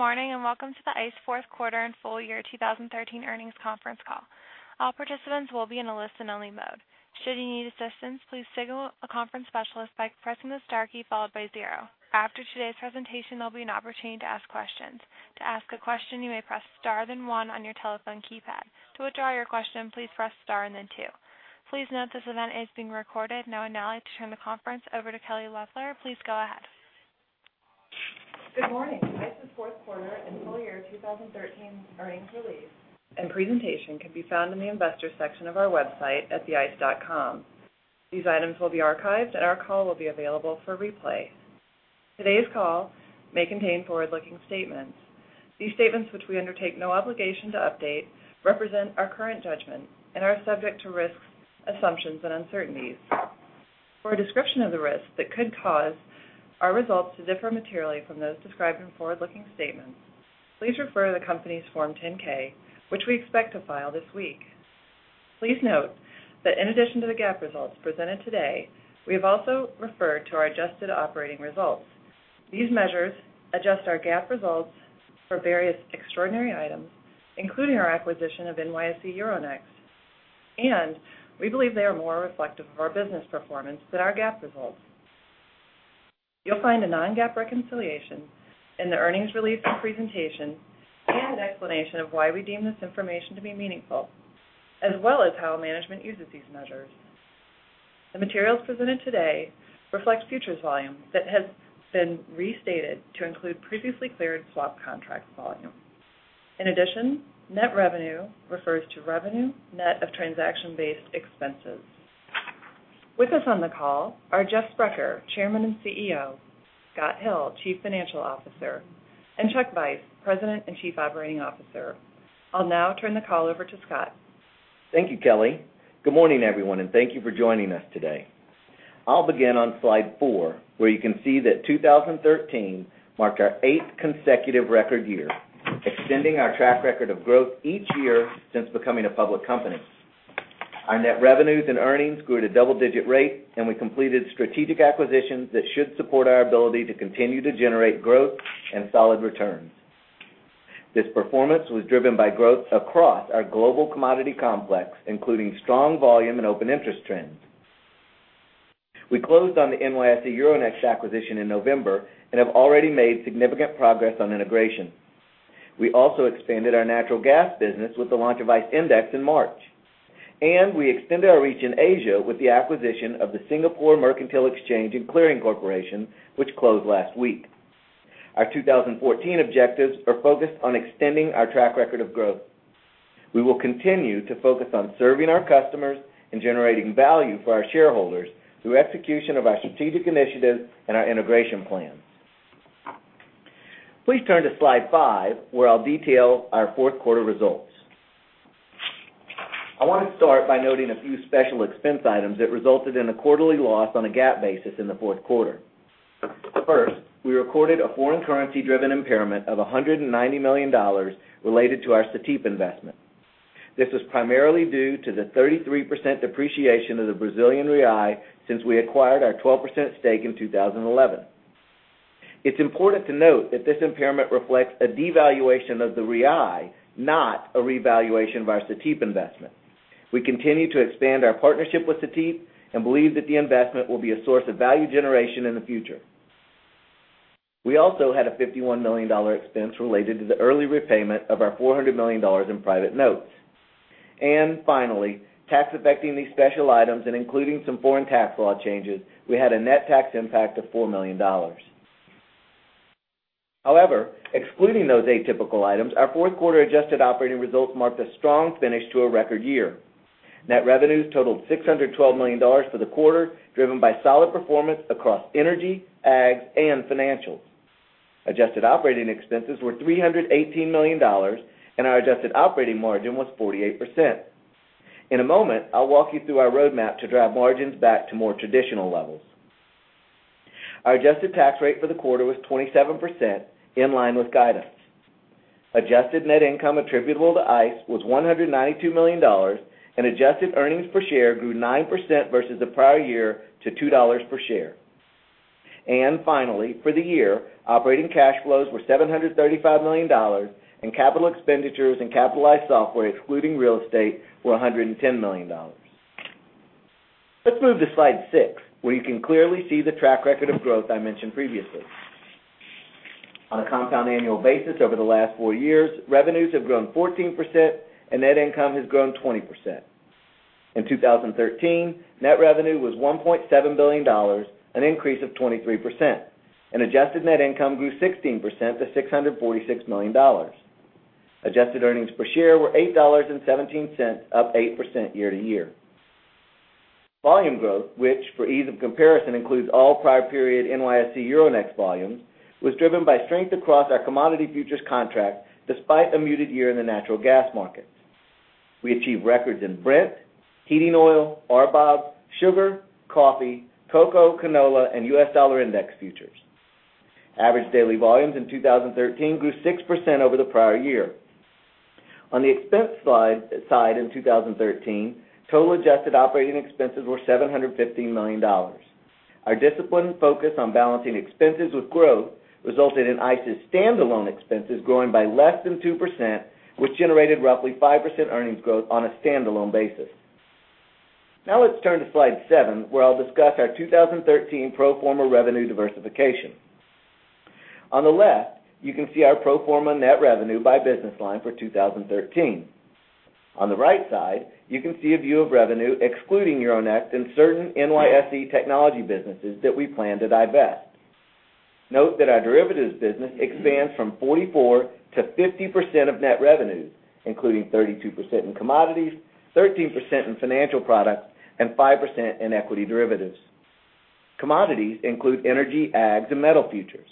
Good morning, and welcome to the ICE fourth quarter and full year 2013 earnings conference call. All participants will be in a listen-only mode. Should you need assistance, please signal a conference specialist by pressing the star key followed by zero. After today's presentation, there'll be an opportunity to ask questions. To ask a question, you may press star then one on your telephone keypad. To withdraw your question, please press star then two. Please note this event is being recorded. I'd like to turn the conference over to Kelly Loeffler. Please go ahead. Good morning. ICE's fourth quarter and full year 2013 earnings release and presentation can be found in the Investors section of our website at theice.com. These items will be archived. Our call will be available for replay. Today's call may contain forward-looking statements. These statements, which we undertake no obligation to update, represent our current judgment and are subject to risks, assumptions, and uncertainties. For a description of the risks that could cause our results to differ materially from those described in forward-looking statements, please refer to the company's Form 10-K, which we expect to file this week. Please note that in addition to the GAAP results presented today, we have also referred to our adjusted operating results. These measures adjust our GAAP results for various extraordinary items, including our acquisition of NYSE Euronext. We believe they are more reflective of our business performance than our GAAP results. You'll find a non-GAAP reconciliation in the earnings release and presentation. An explanation of why we deem this information to be meaningful, as well as how management uses these measures. The materials presented today reflect futures volume that has been restated to include previously cleared swap contracts volume. In addition, net revenue refers to revenue net of transaction-based expenses. With us on the call are Jeffrey Sprecher, Chairman and CEO; Scott Hill, Chief Financial Officer; and Charles Vice, President and Chief Operating Officer. I'll now turn the call over to Scott. Thank you, Kelly. Good morning, everyone, and thank you for joining us today. I'll begin on slide four, where you can see that 2013 marked our eighth consecutive record year, extending our track record of growth each year since becoming a public company. Our net revenues and earnings grew at a double-digit rate. We completed strategic acquisitions that should support our ability to continue to generate growth and solid returns. This performance was driven by growth across our global commodity complex, including strong volume and open interest trends. We closed on the NYSE Euronext acquisition in November. Have already made significant progress on integration. We also expanded our natural gas business with the launch of ICE Endex in March. We extended our reach in Asia with the acquisition of the Singapore Mercantile Exchange and Clearing Corporation, which closed last week. Our 2014 objectives are focused on extending our track record of growth. We will continue to focus on serving our customers and generating value for our shareholders through execution of our strategic initiatives and our integration plans. Please turn to slide five, where I'll detail our fourth quarter results. I want to start by noting a few special expense items that resulted in a quarterly loss on a GAAP basis in the fourth quarter. First, we recorded a foreign currency-driven impairment of $190 million related to our Cetip investment. This was primarily due to the 33% depreciation of the Brazilian real since we acquired our 12% stake in 2011. It's important to note that this impairment reflects a devaluation of the real, not a revaluation of our Cetip investment. We continue to expand our partnership with Cetip and believe that the investment will be a source of value generation in the future. We also had a $51 million expense related to the early repayment of our $400 million in private notes. Finally, tax affecting these special items and including some foreign tax law changes, we had a net tax impact of $4 million. However, excluding those atypical items, our fourth quarter adjusted operating results marked a strong finish to a record year. Net revenues totaled $612 million for the quarter, driven by solid performance across energy, ags, and financials. Adjusted operating expenses were $318 million, and our adjusted operating margin was 48%. In a moment, I'll walk you through our roadmap to drive margins back to more traditional levels. Our adjusted tax rate for the quarter was 27%, in line with guidance. Adjusted net income attributable to ICE was $192 million, and adjusted earnings per share grew 9% versus the prior year to $2 per share. Finally, for the year, operating cash flows were $735 million, and capital expenditures and capitalized software, excluding real estate, were $110 million. Let's move to slide six, where you can clearly see the track record of growth I mentioned previously. On a compound annual basis over the last four years, revenues have grown 14%, and net income has grown 20%. In 2013, net revenue was $1.7 billion, an increase of 23%, and adjusted net income grew 16% to $646 million. Adjusted earnings per share were $8.17, up 8% year to year. Volume growth, which for ease of comparison includes all prior period NYSE Euronext volumes, was driven by strength across our commodity futures contract despite a muted year in the natural gas markets. We achieved records in Brent, heating oil, RBOB, sugar, coffee, cocoa, canola, and U.S. Dollar Index futures. Average daily volumes in 2013 grew 6% over the prior year. On the expense side in 2013, total adjusted operating expenses were $715 million. Our discipline and focus on balancing expenses with growth resulted in ICE's standalone expenses growing by less than 2%, which generated roughly 5% earnings growth on a standalone basis. Let's turn to slide seven, where I'll discuss our 2013 pro forma revenue diversification. On the left, you can see our pro forma net revenue by business line for 2013. On the right side, you can see a view of revenue excluding Euronext and certain NYSE Technologies businesses that we plan to divest. Note that our derivatives business expands from 44% to 50% of net revenues, including 32% in commodities, 13% in financial products, and 5% in equity derivatives. Commodities include energy, ags, and metal futures.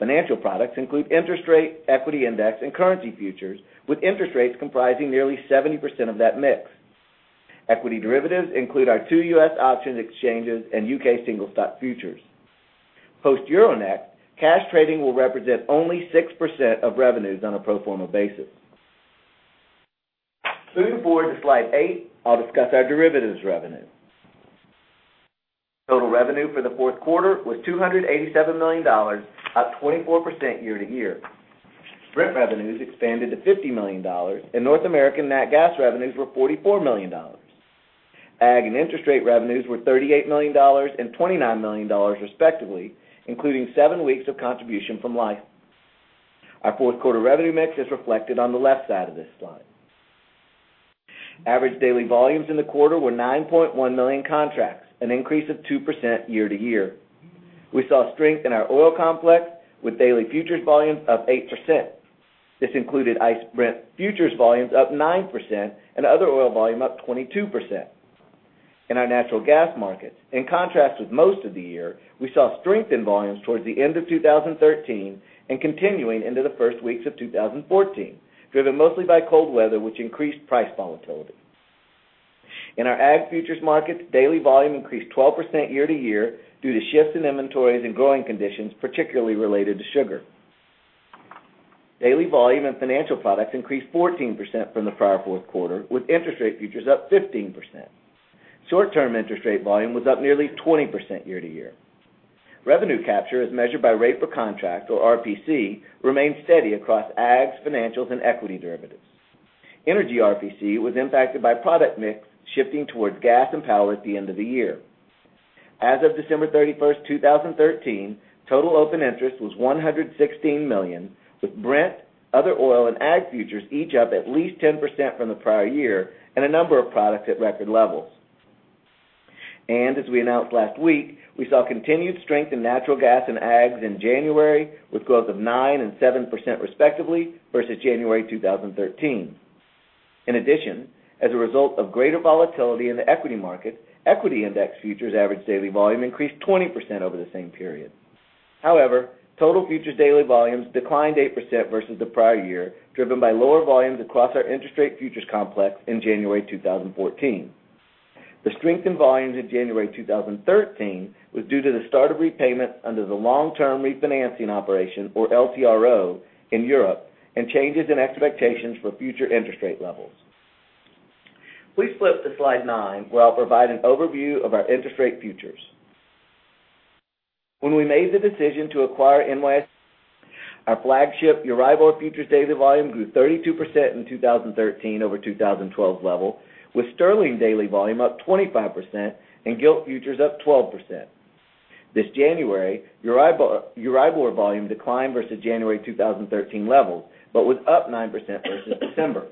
Financial products include interest rate, equity index, and currency futures, with interest rates comprising nearly 70% of that mix. Equity derivatives include our two U.S. options exchanges and U.K. single stock futures. Post Euronext, cash trading will represent only 6% of revenues on a pro forma basis. Moving forward to slide eight, I'll discuss our derivatives revenue. Total revenue for the fourth quarter was $287 million, up 24% year-to-year. Brent revenues expanded to $50 million, and North American nat gas revenues were $44 million. Ag and interest rate revenues were $38 million and $29 million respectively, including seven weeks of contribution from Liffe. Our fourth quarter revenue mix is reflected on the left side of this slide. Average daily volumes in the quarter were 9.1 million contracts, an increase of 2% year-to-year. We saw strength in our oil complex, with daily futures volumes up 8%. This included ICE Brent futures volumes up 9% and other oil volume up 22%. In our natural gas markets, in contrast with most of the year, we saw strength in volumes towards the end of 2013 and continuing into the first weeks of 2014, driven mostly by cold weather, which increased price volatility. In our ag futures markets, daily volume increased 12% year-to-year due to shifts in inventories and growing conditions, particularly related to sugar. Daily volume and financial products increased 14% from the prior fourth quarter, with interest rate futures up 15%. Short-term interest rate volume was up nearly 20% year-to-year. Revenue capture, as measured by rate per contract, or RPC, remained steady across ags, financials, and equity derivatives. Energy RPC was impacted by product mix shifting towards gas and power at the end of the year. As of December 31st, 2013, total open interest was 116 million, with Brent, other oil, and ag futures each up at least 10% from the prior year and a number of products at record levels. As we announced last week, we saw continued strength in natural gas and ags in January, with growth of 9% and 7% respectively versus January 2013. In addition, as a result of greater volatility in the equity market, equity index futures average daily volume increased 20% over the same period. Total futures daily volumes declined 8% versus the prior year, driven by lower volumes across our interest rate futures complex in January 2014. The strength in volumes in January 2013 was due to the start of repayments under the Long-Term Refinancing Operation, or LTRO, in Europe and changes in expectations for future interest rate levels. We flip to slide nine, where I'll provide an overview of our interest rate futures. When we made the decision to acquire NYSE, our flagship Euribor futures daily volume grew 32% in 2013 over 2012 level, with sterling daily volume up 25% and Gilt futures up 12%. This January, Euribor volume declined versus January 2013 levels, but was up 9% versus December.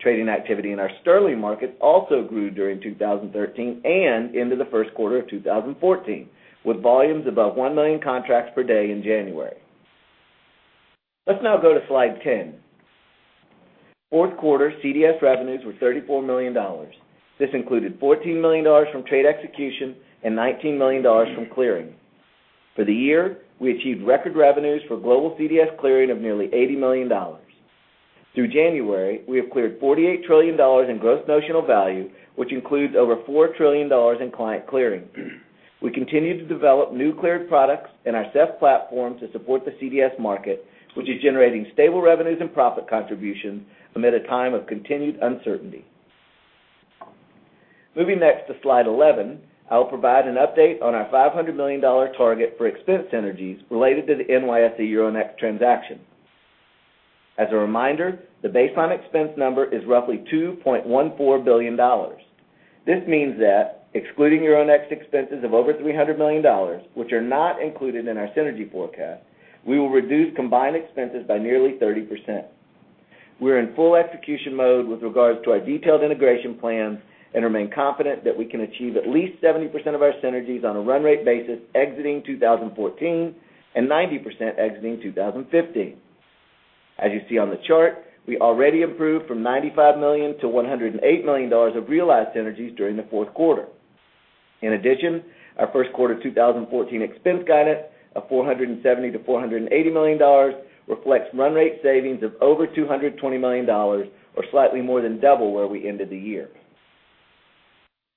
Trading activity in our sterling markets also grew during 2013 and into the first quarter of 2014, with volumes above 1 million contracts per day in January. Let's now go to slide 10. Fourth quarter CDS revenues were $34 million. This included $14 million from trade execution and $19 million from clearing. For the year, we achieved record revenues for global CDS clearing of nearly $80 million. Through January, we have cleared $48 trillion in gross notional value, which includes over $4 trillion in client clearing. We continue to develop new cleared products in our SEF platform to support the CDS market, which is generating stable revenues and profit contribution amid a time of continued uncertainty. Moving next to slide 11, I will provide an update on our $500 million target for expense synergies related to the NYSE Euronext transaction. As a reminder, the baseline expense number is roughly $2.14 billion. This means that excluding Euronext expenses of over $300 million, which are not included in our synergy forecast, we will reduce combined expenses by nearly 30%. We're in full execution mode with regards to our detailed integration plans and remain confident that we can achieve at least 70% of our synergies on a run-rate basis exiting 2014 and 90% exiting 2015. As you see on the chart, we already improved from $95 million to $108 million of realized synergies during the fourth quarter. In addition, our first quarter 2014 expense guidance of $470 million-$480 million reflects run-rate savings of over $220 million, or slightly more than double where we ended the year.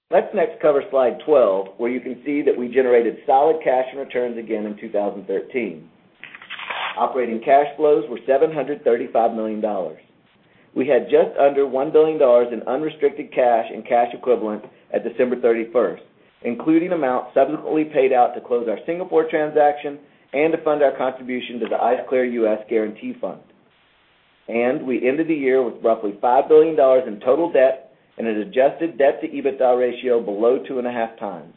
Let's next cover slide 12, where you can see that we generated solid cash and returns again in 2013. Operating cash flows were $735 million. We had just under $1 billion in unrestricted cash and cash equivalents at December 31st, including amounts subsequently paid out to close our Singapore transaction and to fund our contribution to the ICE Clear U.S. Guarantee Fund. We ended the year with roughly $5 billion in total debt and an adjusted debt-to-EBITDA ratio below 2.5 times.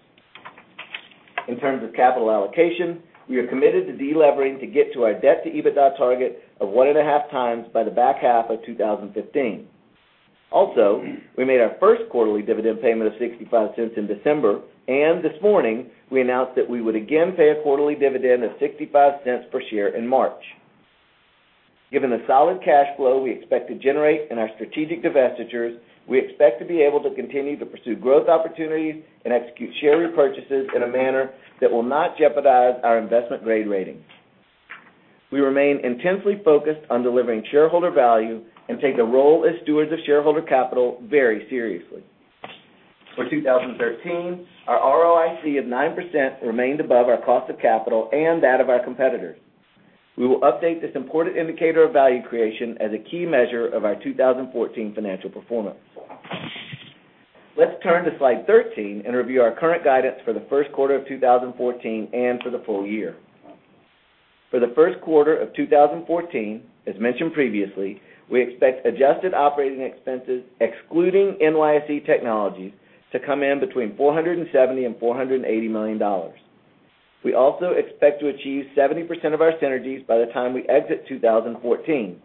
In terms of capital allocation, we are committed to de-levering to get to our debt-to-EBITDA target of 1.5 times by the back half of 2015. We made our first quarterly dividend payment of $0.65 in December, and this morning we announced that we would again pay a quarterly dividend of $0.65 per share in March. Given the solid cash flow we expect to generate in our strategic divestitures, we expect to be able to continue to pursue growth opportunities and execute share repurchases in a manner that will not jeopardize our investment-grade rating. We remain intensely focused on delivering shareholder value and take our role as stewards of shareholder capital very seriously. For 2013, our ROIC of 9% remained above our cost of capital and that of our competitors. We will update this important indicator of value creation as a key measure of our 2014 financial performance. Let's turn to slide 13 and review our current guidance for the first quarter of 2014 and for the full year. For the first quarter of 2014, as mentioned previously, we expect adjusted operating expenses, excluding NYSE Technologies, to come in between $470 million-$480 million. We also expect to achieve 70% of our synergies by the time we exit 2014.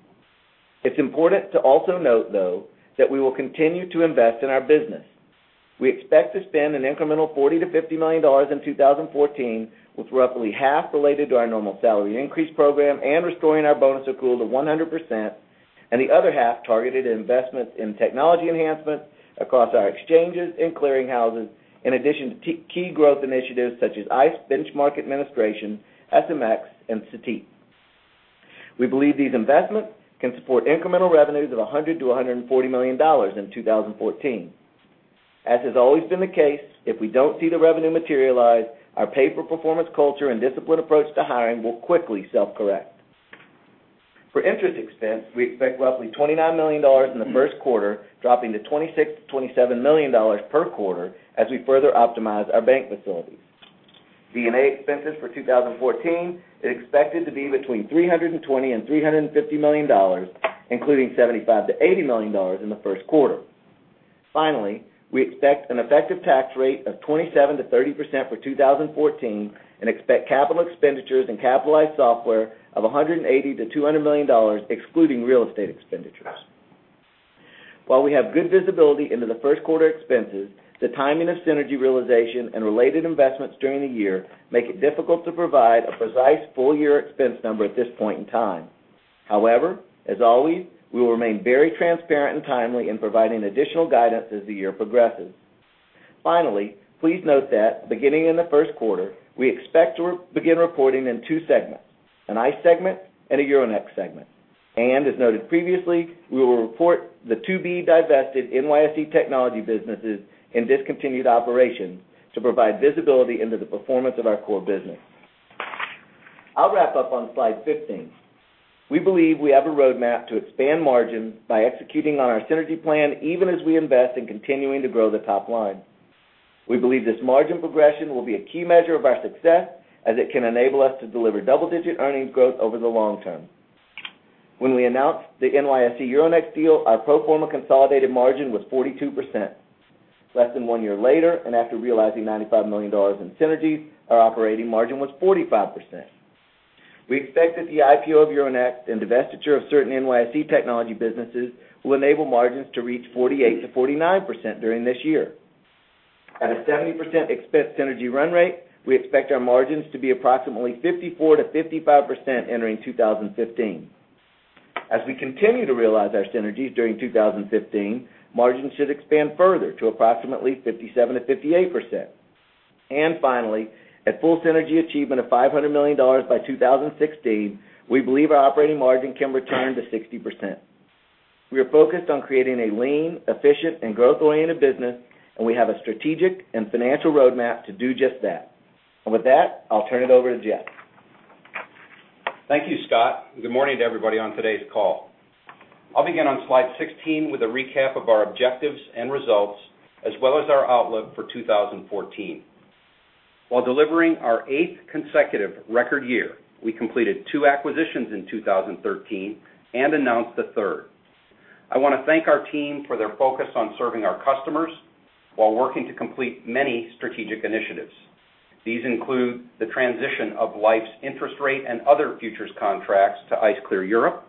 It's important to also note, though, that we will continue to invest in our business. We expect to spend an incremental $40 million-$50 million in 2014, with roughly half related to our normal salary increase program and restoring our bonus accrual to 100%, and the other half targeted investments in technology enhancements across our exchanges and clearing houses, in addition to key growth initiatives such as ICE Benchmark Administration, SMX, and Cetip. We believe these investments can support incremental revenues of $100 million-$140 million in 2014. As has always been the case, if we don't see the revenue materialize, our pay-for-performance culture and disciplined approach to hiring will quickly self-correct. For interest expense, we expect roughly $29 million in the first quarter, dropping to $26 million-$27 million per quarter as we further optimize our bank facilities. D&A expenses for 2014 is expected to be between $320 million and $350 million, including $75 million-$80 million in the first quarter. Finally, we expect an effective tax rate of 27%-30% for 2014 and expect capital expenditures and capitalized software of $180 million-$200 million, excluding real estate expenditures. While we have good visibility into the first quarter expenses, the timing of synergy realization and related investments during the year make it difficult to provide a precise full-year expense number at this point in time. As always, we will remain very transparent and timely in providing additional guidance as the year progresses. Finally, please note that beginning in the first quarter, we expect to begin reporting in two segments, an ICE segment and a Euronext segment. As noted previously, we will report the to-be-divested NYSE Technologies businesses and discontinued operations to provide visibility into the performance of our core business. I'll wrap up on slide 15. We believe we have a roadmap to expand margin by executing on our synergy plan, even as we invest in continuing to grow the top line. We believe this margin progression will be a key measure of our success as it can enable us to deliver double-digit earnings growth over the long term. When we announced the NYSE Euronext deal, our pro forma consolidated margin was 42%. Less than one year later, and after realizing $95 million in synergies, our operating margin was 45%. We expect that the IPO of Euronext and divestiture of certain NYSE Technologies businesses will enable margins to reach 48%-49% during this year. At a 70% expense synergy run rate, we expect our margins to be approximately 54%-55% entering 2015. As we continue to realize our synergies during 2015, margins should expand further to approximately 57%-58%. Finally, at full synergy achievement of $500 million by 2016, we believe our operating margin can return to 60%. We are focused on creating a lean, efficient, and growth-oriented business, and we have a strategic and financial roadmap to do just that. With that, I'll turn it over to Jeff. Thank you, Scott. Good morning to everybody on today's call. I'll begin on slide 16 with a recap of our objectives and results, as well as our outlook for 2014. While delivering our eighth consecutive record year, we completed two acquisitions in 2013 and announced a third. I want to thank our team for their focus on serving our customers while working to complete many strategic initiatives. These include the transition of Liffe's interest rate and other futures contracts to ICE Clear Europe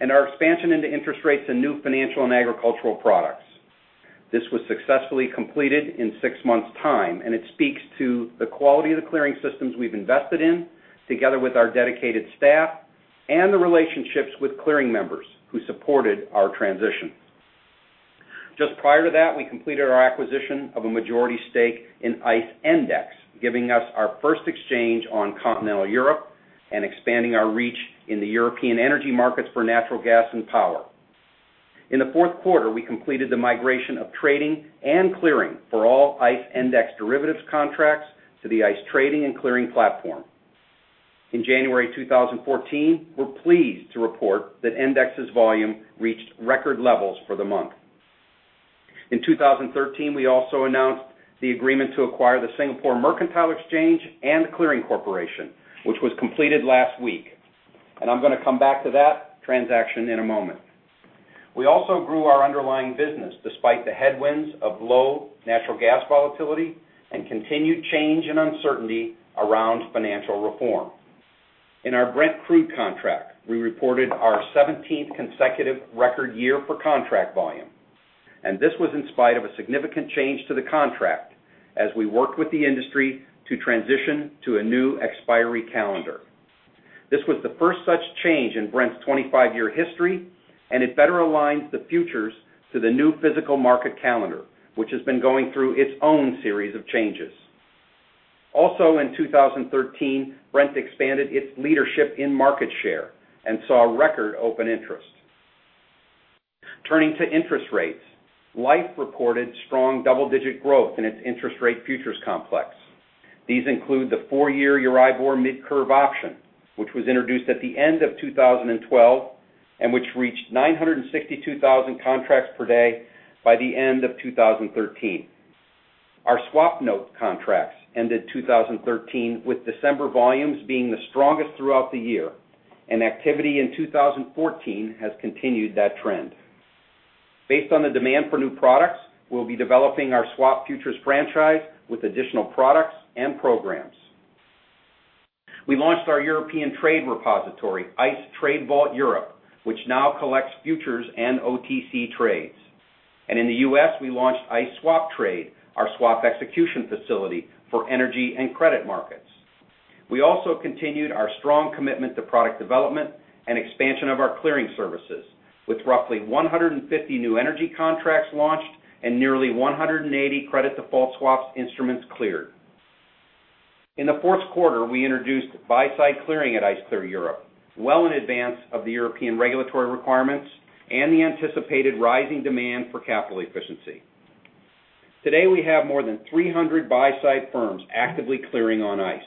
and our expansion into interest rates and new financial and agricultural products. This was successfully completed in six months' time, and it speaks to the quality of the clearing systems we've invested in, together with our dedicated staff and the relationships with clearing members who supported our transition. Just prior to that, we completed our acquisition of a majority stake in ICE Endex, giving us our first exchange on continental Europe. Expanding our reach in the European energy markets for natural gas and power. In the fourth quarter, we completed the migration of trading and clearing for all ICE index derivatives contracts to the ICE trading and clearing platform. In January 2014, we're pleased to report that Endex's volume reached record levels for the month. In 2013, we also announced the agreement to acquire the Singapore Mercantile Exchange and Clearing Corporation, which was completed last week. I'm going to come back to that transaction in a moment. We also grew our underlying business despite the headwinds of low natural gas volatility and continued change and uncertainty around financial reform. In our Brent Crude contract, we reported our 17th consecutive record year for contract volume. This was in spite of a significant change to the contract as we worked with the industry to transition to a new expiry calendar. This was the first such change in Brent's 25-year history, and it better aligns the futures to the new physical market calendar, which has been going through its own series of changes. Also in 2013, Brent expanded its leadership in market share and saw record open interest. Turning to interest rates, Liffe reported strong double-digit growth in its interest rate futures complex. These include the four-year Euribor mid-curve option, which was introduced at the end of 2012 and which reached 962,000 contracts per day by the end of 2013. Our Swapnote contracts ended 2013 with December volumes being the strongest throughout the year, and activity in 2014 has continued that trend. Based on the demand for new products, we'll be developing our swap futures franchise with additional products and programs. We launched our European trade repository, ICE Trade Vault Europe, which now collects futures and OTC trades. In the U.S., we launched ICE Swap Trade, our swap execution facility for energy and credit markets. We also continued our strong commitment to product development and expansion of our clearing services, with roughly 150 new energy contracts launched and nearly 180 credit default swaps instruments cleared. In the fourth quarter, we introduced buy-side clearing at ICE Clear Europe, well in advance of the European regulatory requirements and the anticipated rising demand for capital efficiency. Today, we have more than 300 buy-side firms actively clearing on ICE.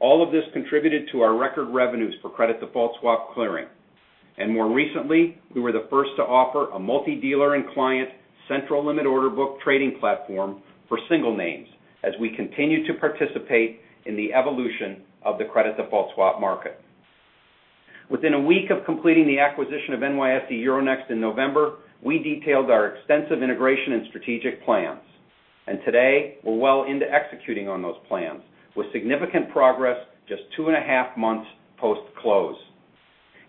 All of this contributed to our record revenues for credit default swap clearing. More recently, we were the first to offer a multi-dealer and client central limit order book trading platform for single names, as we continue to participate in the evolution of the credit default swap market. Within a week of completing the acquisition of NYSE Euronext in November, we detailed our extensive integration and strategic plans. Today, we're well into executing on those plans, with significant progress just two and a half months post-close.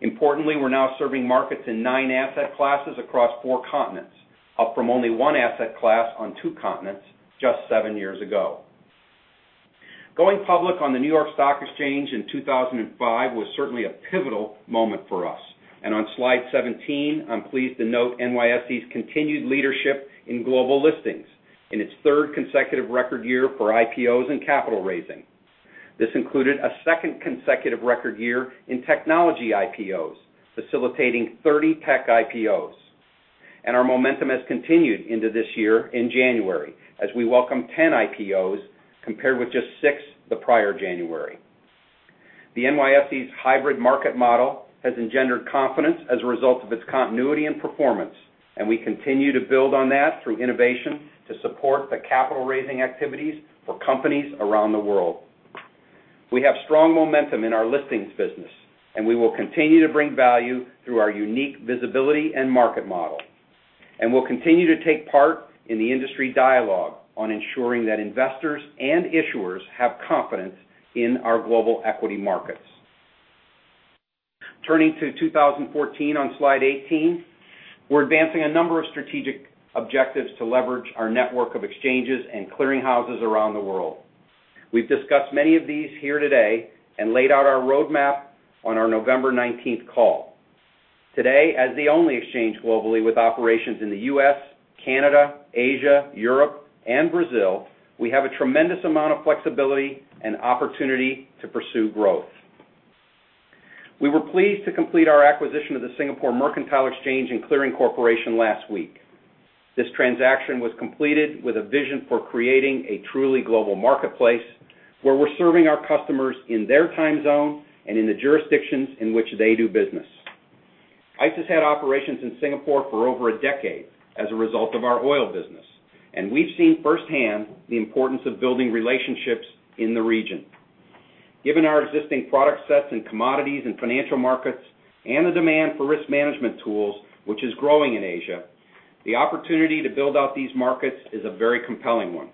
Importantly, we're now serving markets in nine asset classes across four continents, up from only one asset class on two continents just seven years ago. Going public on the New York Stock Exchange in 2005 was certainly a pivotal moment for us. On slide 17, I'm pleased to note NYSE's continued leadership in global listings in its third consecutive record year for IPOs and capital raising. This included a second consecutive record year in technology IPOs, facilitating 30 tech IPOs. Our momentum has continued into this year in January, as we welcome 10 IPOs compared with just six the prior January. The NYSE's hybrid market model has engendered confidence as a result of its continuity and performance, and we continue to build on that through innovation to support the capital-raising activities for companies around the world. We have strong momentum in our listings business, and we will continue to bring value through our unique visibility and market model. We'll continue to take part in the industry dialogue on ensuring that investors and issuers have confidence in our global equity markets. Turning to 2014 on slide 18, we're advancing a number of strategic objectives to leverage our network of exchanges and clearing houses around the world. We've discussed many of these here today and laid out our roadmap on our November 19th call. Today, as the only exchange globally with operations in the U.S., Canada, Asia, Europe, and Brazil, we have a tremendous amount of flexibility and opportunity to pursue growth. We were pleased to complete our acquisition of the Singapore Mercantile Exchange and Clearing Corporation last week. This transaction was completed with a vision for creating a truly global marketplace where we're serving our customers in their time zone and in the jurisdictions in which they do business. ICE has had operations in Singapore for over a decade as a result of our oil business, and we've seen firsthand the importance of building relationships in the region. Given our existing product sets in commodities and financial markets and the demand for risk management tools, which is growing in Asia, the opportunity to build out these markets is a very compelling one.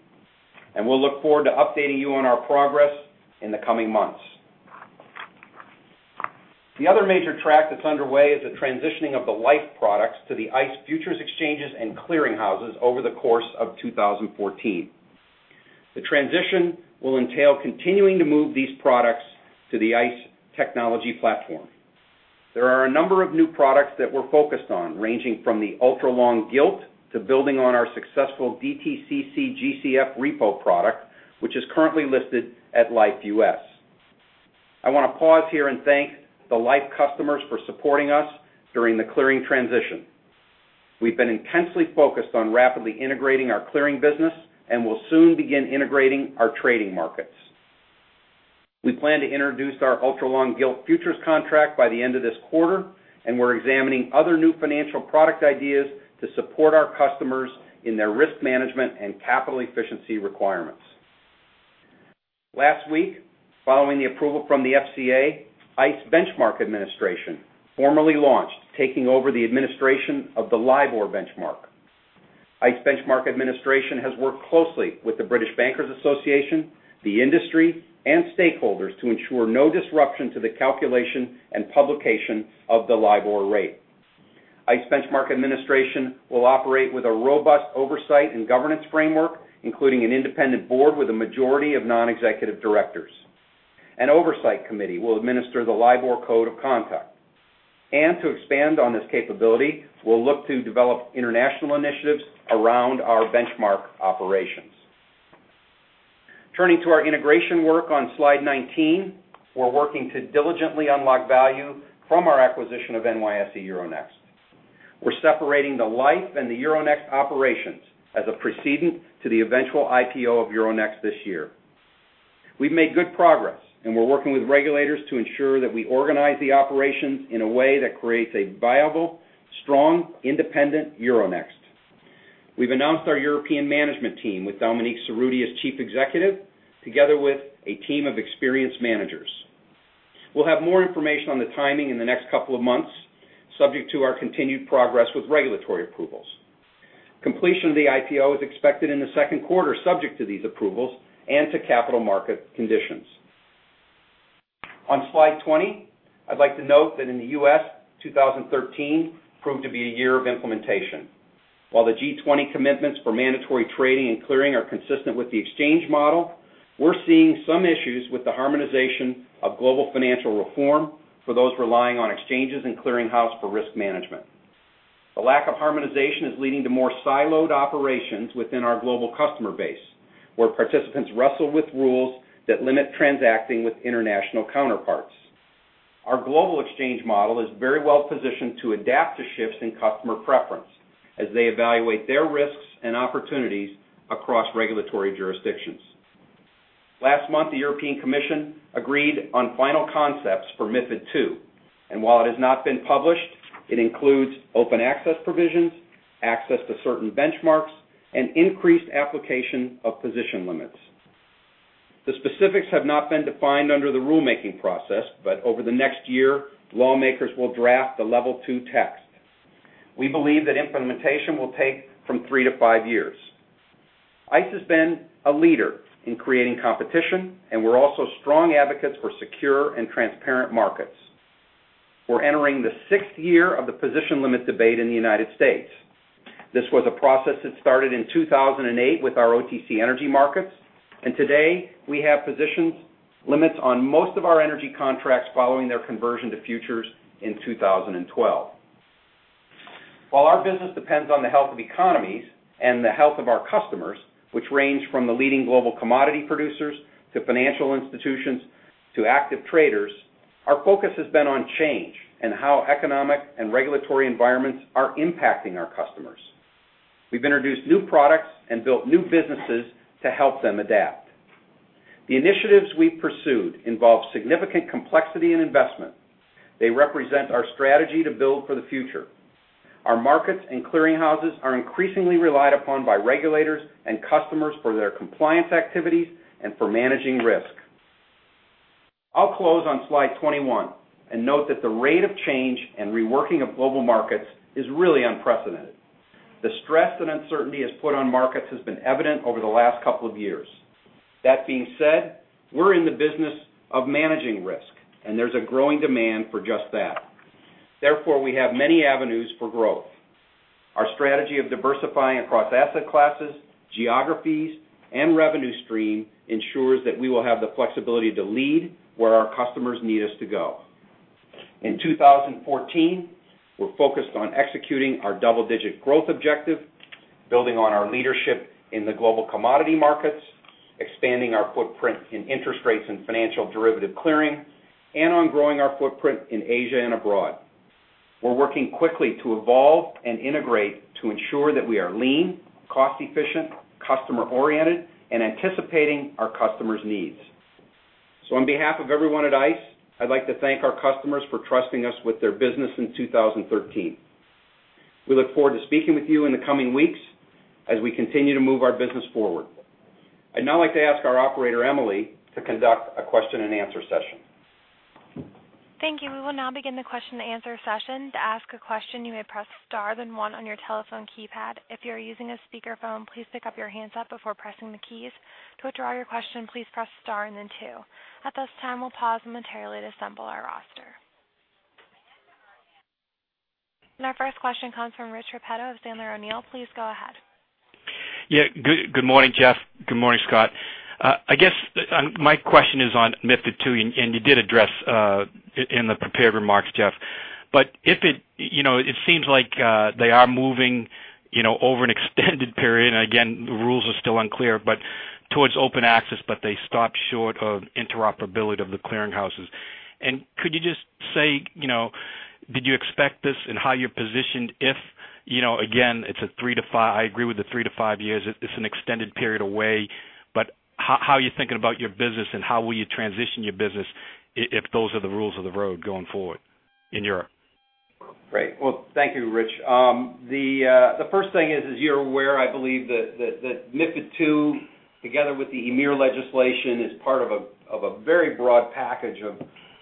We'll look forward to updating you on our progress in the coming months. The other major track that's underway is the transitioning of the Liffe products to the ICE Futures exchanges and clearing houses over the course of 2014. The transition will entail continuing to move these products to the ICE technology platform. There are a number of new products that we're focused on, ranging from the Ultra Long Gilt to building on our successful DTCC GCF Repo product, which is currently listed at Liffe US. I want to pause here and thank the Liffe customers for supporting us during the clearing transition. We've been intensely focused on rapidly integrating our clearing business. We'll soon begin integrating our trading markets. We plan to introduce our Ultra Long Gilt Futures contract by the end of this quarter, and we're examining other new financial product ideas to support our customers in their risk management and capital efficiency requirements. Last week, following the approval from the FCA, ICE Benchmark Administration formally launched, taking over the administration of the LIBOR benchmark. ICE Benchmark Administration has worked closely with the British Bankers' Association, the industry, and stakeholders to ensure no disruption to the calculation and publication of the LIBOR rate. ICE Benchmark Administration will operate with a robust oversight and governance framework, including an independent board with a majority of non-executive directors. An oversight committee will administer the LIBOR Code of Conduct. To expand on this capability, we'll look to develop international initiatives around our benchmark operations. Turning to our integration work on slide 19. We're working to diligently unlock value from our acquisition of NYSE Euronext. We're separating the Liffe and the Euronext operations as a precedent to the eventual IPO of Euronext this year. We've made good progress, and we're working with regulators to ensure that we organize the operations in a way that creates a viable, strong, independent Euronext. We've announced our European management team with Dominique Cerutti as chief executive, together with a team of experienced managers. We'll have more information on the timing in the next couple of months, subject to our continued progress with regulatory approvals. Completion of the IPO is expected in the second quarter, subject to these approvals and to capital market conditions. On slide 20, I'd like to note that in the U.S., 2013 proved to be a year of implementation. While the G20 commitments for mandatory trading and clearing are consistent with the exchange model, we're seeing some issues with the harmonization of global financial reform for those relying on exchanges and clearing house for risk management. The lack of harmonization is leading to more siloed operations within our global customer base, where participants wrestle with rules that limit transacting with international counterparts. Our global exchange model is very well positioned to adapt to shifts in customer preference as they evaluate their risks and opportunities across regulatory jurisdictions. Last month, the European Commission agreed on final concepts for MiFID II, and while it has not been published, it includes open access provisions, access to certain benchmarks, and increased application of position limits. The specifics have not been defined under the rulemaking process. Over the next year, lawmakers will draft the level 2 text. We believe that implementation will take from three to five years. ICE has been a leader in creating competition, and we're also strong advocates for secure and transparent markets. We're entering the sixth year of the position limit debate in the United States. This was a process that started in 2008 with our OTC energy markets, and today we have position limits on most of our energy contracts following their conversion to futures in 2012. While our business depends on the health of economies and the health of our customers, which range from the leading global commodity producers to financial institutions to active traders, our focus has been on change and how economic and regulatory environments are impacting our customers. We've introduced new products and built new businesses to help them adapt. The initiatives we've pursued involve significant complexity and investment. They represent our strategy to build for the future. Our markets and clearing houses are increasingly relied upon by regulators and customers for their compliance activities and for managing risk. I'll close on slide 21 and note that the rate of change and reworking of global markets is really unprecedented. The stress and uncertainty it has put on markets has been evident over the last couple of years. That being said, we're in the business of managing risk, and there's a growing demand for just that. Therefore, we have many avenues for growth. Our strategy of diversifying across asset classes, geographies, and revenue stream ensures that we will have the flexibility to lead where our customers need us to go. In 2014, we're focused on executing our double-digit growth objective, building on our leadership in the global commodity markets, expanding our footprint in interest rates and financial derivative clearing, and on growing our footprint in Asia and abroad. We're working quickly to evolve and integrate to ensure that we are lean, cost-efficient, customer-oriented, and anticipating our customers' needs. On behalf of everyone at ICE, I'd like to thank our customers for trusting us with their business in 2013. We look forward to speaking with you in the coming weeks as we continue to move our business forward. I'd now like to ask our operator, Emily, to conduct a question and answer session. Thank you. We will now begin the question and answer session. To ask a question, you may press star, then one on your telephone keypad. If you are using a speakerphone, please pick up your handset before pressing the keys. To withdraw your question, please press star and then two. At this time, we'll pause momentarily to assemble our roster. Our first question comes from Rich Repetto of Sandler O'Neill. Please go ahead. Yeah. Good morning, Jeff. Good morning, Scott. I guess, my question is on MiFID II. You did address in the prepared remarks, Jeff. It seems like they are moving over an extended period, again, rules are still unclear, but towards open access, but they stop short of interoperability of the clearing houses. Could you just say, did you expect this and how you're positioned if, again, I agree with the three to five years, it's an extended period away, but how are you thinking about your business and how will you transition your business if those are the rules of the road going forward in Europe? Great. Well, thank you, Rich. The first thing is, as you're aware, I believe that MiFID II, together with the EMIR legislation, is part of a very broad package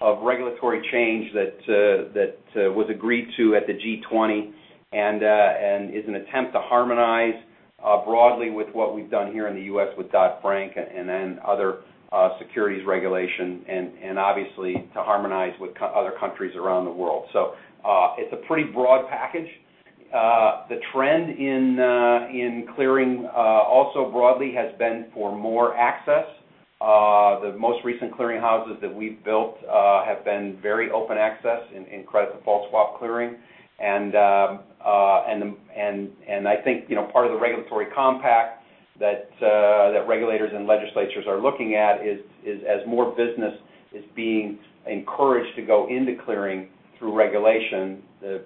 of regulatory change that was agreed to at the G20 and is an attempt to harmonize broadly with what we've done here in the U.S. with Dodd-Frank and other securities regulation, and obviously to harmonize with other countries around the world. It's a pretty broad package. The trend in clearing also broadly has been for more access. The most recent clearing houses that we've built have been very open access in credit default swap clearing. I think, part of the regulatory compact that regulators and legislatures are looking at is as more business is being encouraged to go into clearing through regulation,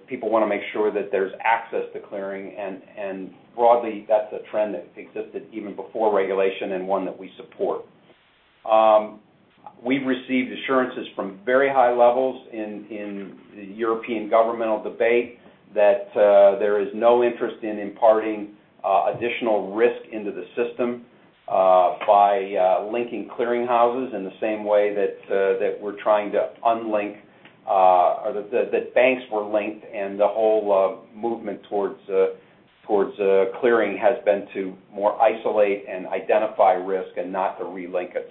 people want to make sure that there's access to clearing, and broadly, that's a trend that existed even before regulation and one that we support. We've received assurances from very high levels in the European governmental debate that there is no interest in imparting additional risk into the system by linking clearing houses in the same way that banks were linked, and the whole movement towards clearing has been to more isolate and identify risk and not to relink it.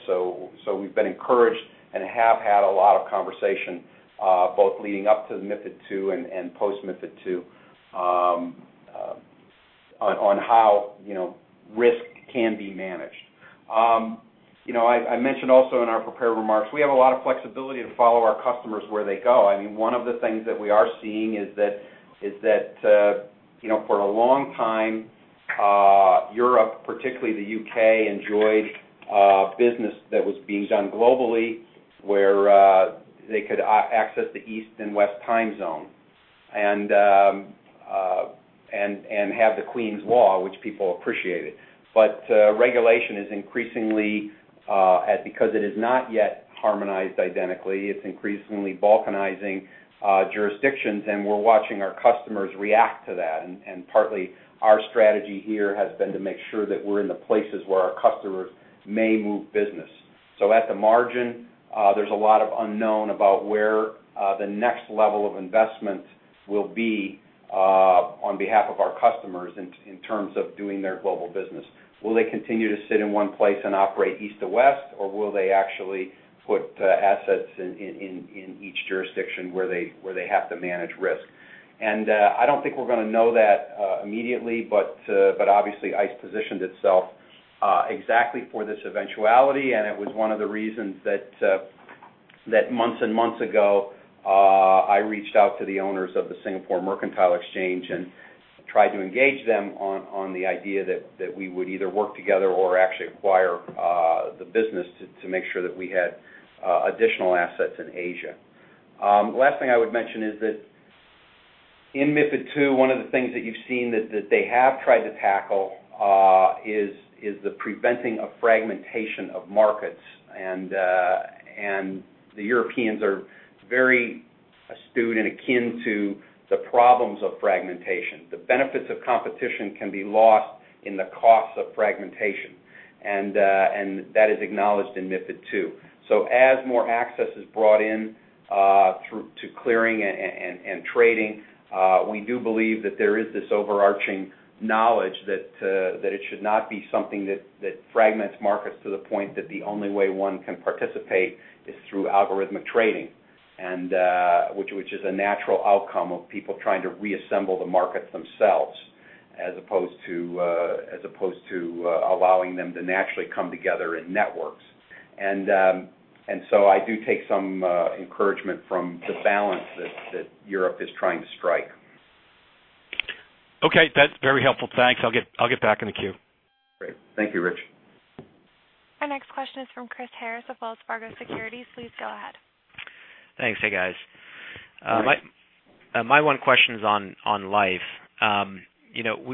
We've been encouraged and have had a lot of conversation, both leading up to MiFID II and post-MiFID II, on how risk can be managed. I mentioned also in our prepared remarks, we have a lot of flexibility to follow our customers where they go. One of the things that we are seeing is that for a long time, Europe, particularly the U.K., enjoyed business that was being done globally where they could access the East and West time zone and have the Queen's law, which people appreciated. Regulation is increasingly, because it is not yet harmonized identically, it's increasingly balkanizing jurisdictions, and we're watching our customers react to that. Partly, our strategy here has been to make sure that we're in the places where our customers may move business. At the margin, there's a lot of unknown about where the next level of investment will be on behalf of our customers in terms of doing their global business. Will they continue to sit in one place and operate East to West, or will they actually put assets in each jurisdiction where they have to manage risk? I don't think we're going to know that immediately, but obviously ICE positioned itself exactly for this eventuality, and it was one of the reasons that months and months ago, I reached out to the owners of the Singapore Mercantile Exchange and tried to engage them on the idea that we would either work together or actually acquire the business to make sure that we had additional assets in Asia. Last thing I would mention is that in MiFID II, one of the things that you've seen that they have tried to tackle is the preventing of fragmentation of markets. The Europeans are very astute and akin to the problems of fragmentation. The benefits of competition can be lost in the costs of fragmentation. That is acknowledged in MiFID II. As more access is brought in to clearing and trading, we do believe that there is this overarching knowledge that it should not be something that fragments markets to the point that the only way one can participate is through algorithmic trading, which is a natural outcome of people trying to reassemble the markets themselves as opposed to allowing them to naturally come together in networks. I do take some encouragement from the balance that Europe is trying to strike. Okay. That's very helpful. Thanks. I'll get back in the queue. Great. Thank you, Rich. Our next question is from Christopher Harris of Wells Fargo Securities. Please go ahead. Thanks. Hey, guys. Hi. My one question's on Liffe.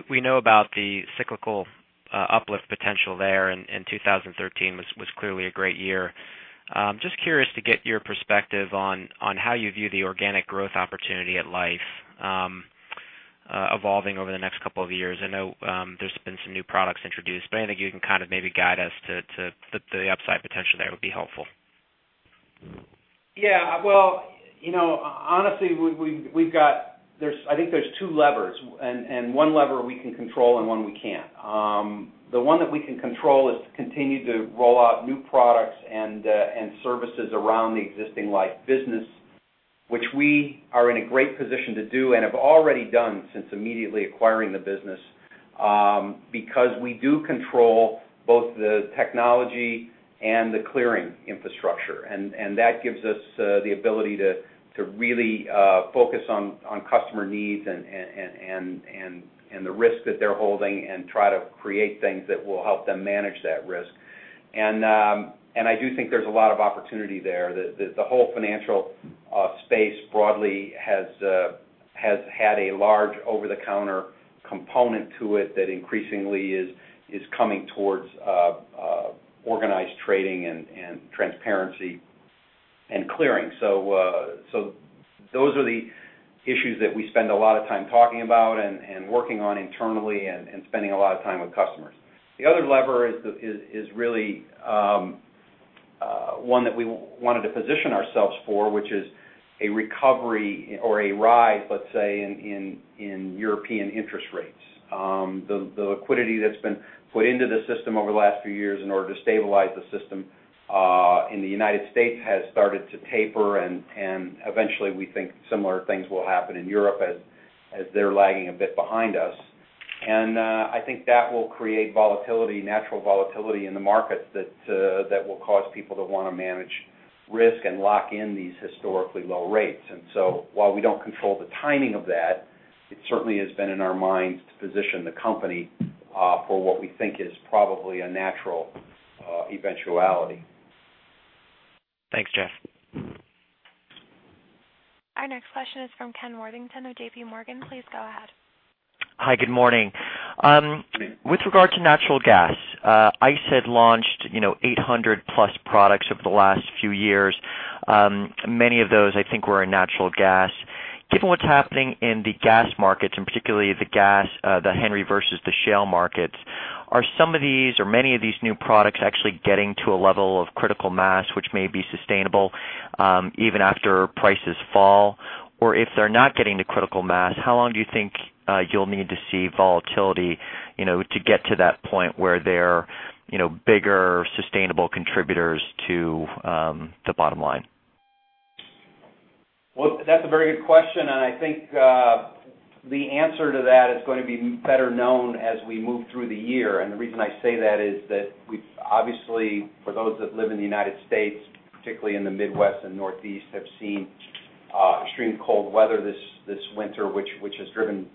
We know about the cyclical uplift potential there, and 2013 was clearly a great year. Just curious to get your perspective on how you view the organic growth opportunity at Liffe evolving over the next couple of years. I know there's been some new products introduced, but anything you can kind of maybe guide us to the upside potential there would be helpful. Yeah. Well, honestly, I think there's two levers, and one lever we can control and one we can't. The one that we can control is to continue to roll out new products and services around the existing Liffe business, which we are in a great position to do and have already done since immediately acquiring the business, because we do control both the technology and the clearing infrastructure. That gives us the ability to really focus on customer needs and the risk that they're holding and try to create things that will help them manage that risk. I do think there's a lot of opportunity there, that the whole financial space broadly has had a large over-the-counter component to it that increasingly is coming towards organized trading and transparency and clearing. Those are the issues that we spend a lot of time talking about and working on internally and spending a lot of time with customers. The other lever is really one that we wanted to position ourselves for, which is a recovery or a rise, let's say, in European interest rates. The liquidity that's been put into the system over the last few years in order to stabilize the system, in the U.S. has started to taper and eventually we think similar things will happen in Europe as they're lagging a bit behind us. I think that will create volatility, natural volatility in the market that will cause people to want to manage risk and lock in these historically low rates. While we don't control the timing of that, it certainly has been in our minds to position the company for what we think is probably a natural eventuality. Thanks, Jeff. Our next question is from Ken Worthington of JPMorgan. Please go ahead. Hi, good morning. With regard to natural gas, ICE had launched 800 plus products over the last few years. Many of those I think were in natural gas. Given what's happening in the gas markets, and particularly the gas, the Henry versus the Shell markets, are some of these, or many of these new products actually getting to a level of critical mass which may be sustainable, even after prices fall? Or if they're not getting to critical mass, how long do you think you'll need to see volatility, to get to that point where they're bigger, sustainable contributors to the bottom line? Well, that's a very good question. I think the answer to that is going to be better known as we move through the year. The reason I say that is that we've obviously, for those that live in the U.S., particularly in the Midwest and Northeast, have seen extreme cold weather this winter, which has driven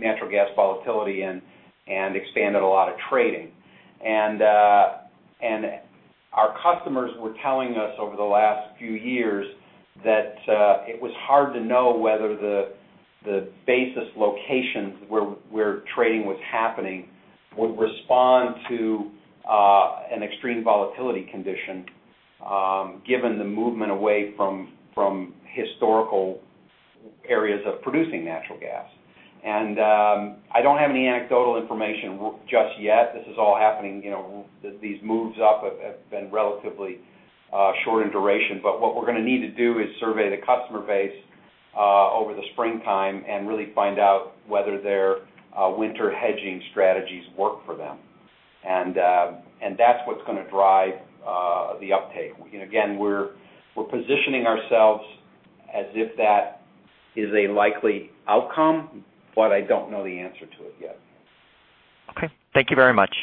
natural gas volatility and expanded a lot of trading. Our customers were telling us over the last few years that it was hard to know whether the basis locations where trading was happening would respond to an extreme volatility condition, given the movement away from historical areas of producing natural gas. I don't have any anecdotal information just yet. This is all happening, these moves up have been relatively short in duration. What we're going to need to do is survey the customer base over the springtime and really find out whether their winter hedging strategies work for them. That's what's going to drive the uptake. Again, we're positioning ourselves as if that is a likely outcome. I don't know the answer to it yet. Okay. Thank you very much.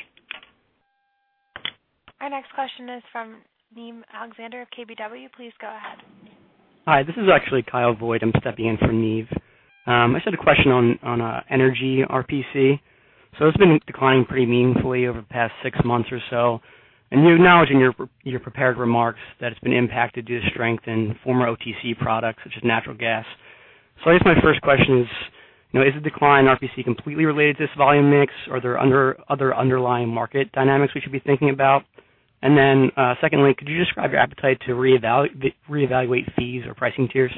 Our next question is from Niamh Alexander of KBW. Please go ahead. Hi, this is actually Kyle Voigt. I'm stepping in for Niamh. I just had a question on energy RPC. It's been declining pretty meaningfully over the past six months or so, and you acknowledge in your prepared remarks that it's been impacted due to strength in former OTC products such as natural gas. I guess my first question is the decline in RPC completely related to this volume mix, or are there other underlying market dynamics we should be thinking about? Secondly, could you describe your appetite to reevaluate fees or pricing tiers?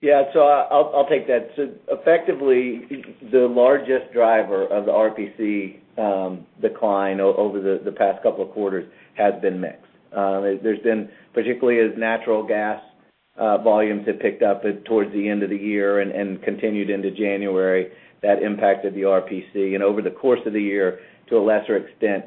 Yeah. I'll take that. Effectively, the largest driver of the RPC decline over the past couple of quarters has been mix. There's been, particularly as natural gas volumes have picked up towards the end of the year and continued into January, that impacted the RPC. Over the course of the year, to a lesser extent,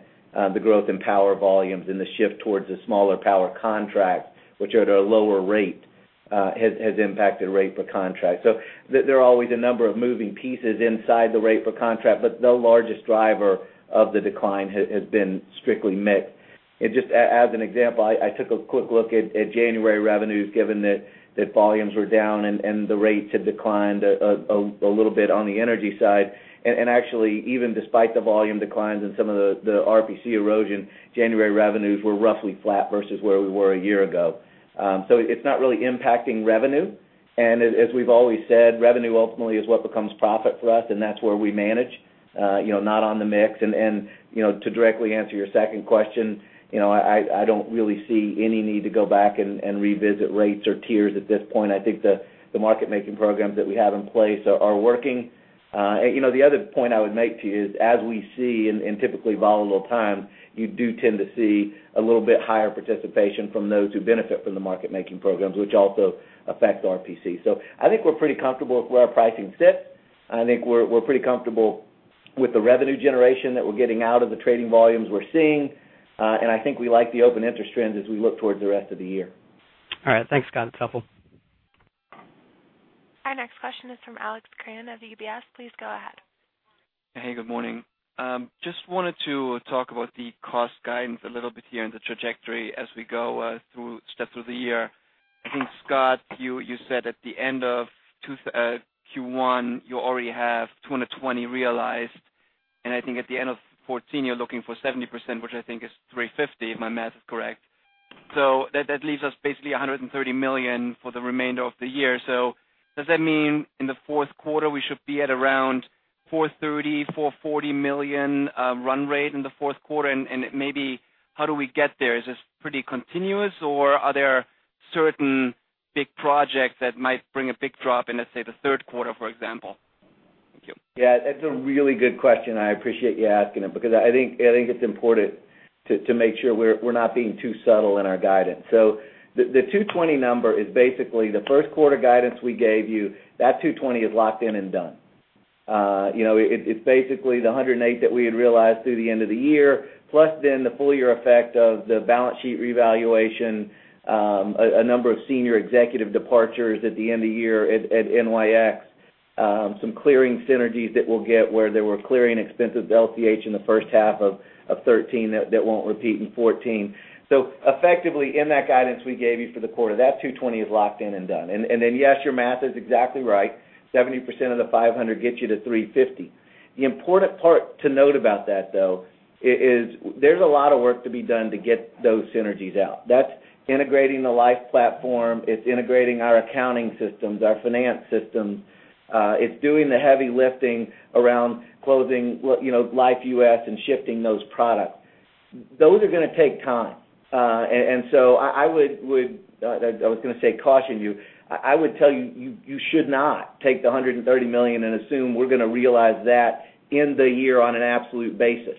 the growth in power volumes and the shift towards the smaller power contracts, which are at a lower rate, has impacted rate per contract. There are always a number of moving pieces inside the rate per contract, but the largest driver of the decline has been strictly mix. Just as an example, I took a quick look at January revenues, given that volumes were down and the rates had declined a little bit on the energy side. Actually, even despite the volume declines and some of the RPC erosion, January revenues were roughly flat versus where we were a year ago. It's not really impacting revenue. As we've always said, revenue ultimately is what becomes profit for us, and that's where we manage, not on the mix. To directly answer your second question, I don't really see any need to go back and revisit rates or tiers at this point. I think the market-making programs that we have in place are working. The other point I would make to you is, as we see in typically volatile times, you do tend to see a little bit higher participation from those who benefit from the market-making programs, which also affect RPC. I think we're pretty comfortable with where our pricing sits, and I think we're pretty comfortable With the revenue generation that we're getting out of the trading volumes we're seeing, and I think we like the open interest trends as we look towards the rest of the year. All right. Thanks, Scott. It's helpful. Our next question is from Alex Kramm of UBS. Please go ahead. Hey, good morning. Just wanted to talk about the cost guidance a little bit here and the trajectory as we go through steps of the year. I think, Scott, you said at the end of Q1, you already have $220 realized, and I think at the end of 2014, you're looking for 70%, which I think is $350, if my math is correct. That leaves us basically $130 million for the remainder of the year. Does that mean in the fourth quarter, we should be at around $430 million-$440 million run rate in the fourth quarter? And maybe how do we get there? Is this pretty continuous, or are there certain big projects that might bring a big drop in, let's say, the third quarter, for example? Thank you. Yeah, that's a really good question, and I appreciate you asking it, because I think it's important to make sure we're not being too subtle in our guidance. The $220 number is basically the first quarter guidance we gave you. That $220 is locked in and done. It's basically the $108 that we had realized through the end of the year, plus then the full year effect of the balance sheet revaluation, a number of senior executive departures at the end of the year at NYX, some clearing synergies that we'll get where there were clearing expenses at LCH in the first half of 2013 that won't repeat in 2014. Effectively, in that guidance we gave you for the quarter, that $220 is locked in and done. Yes, your math is exactly right. 70% of the $500 gets you to $350. The important part to note about that, though, is there's a lot of work to be done to get those synergies out. That's integrating the Liffe platform. It's integrating our accounting systems, our finance systems. It's doing the heavy lifting around closing Liffe US and shifting those products. Those are going to take time. I would tell you should not take the $130 million and assume we're going to realize that in the year on an absolute basis.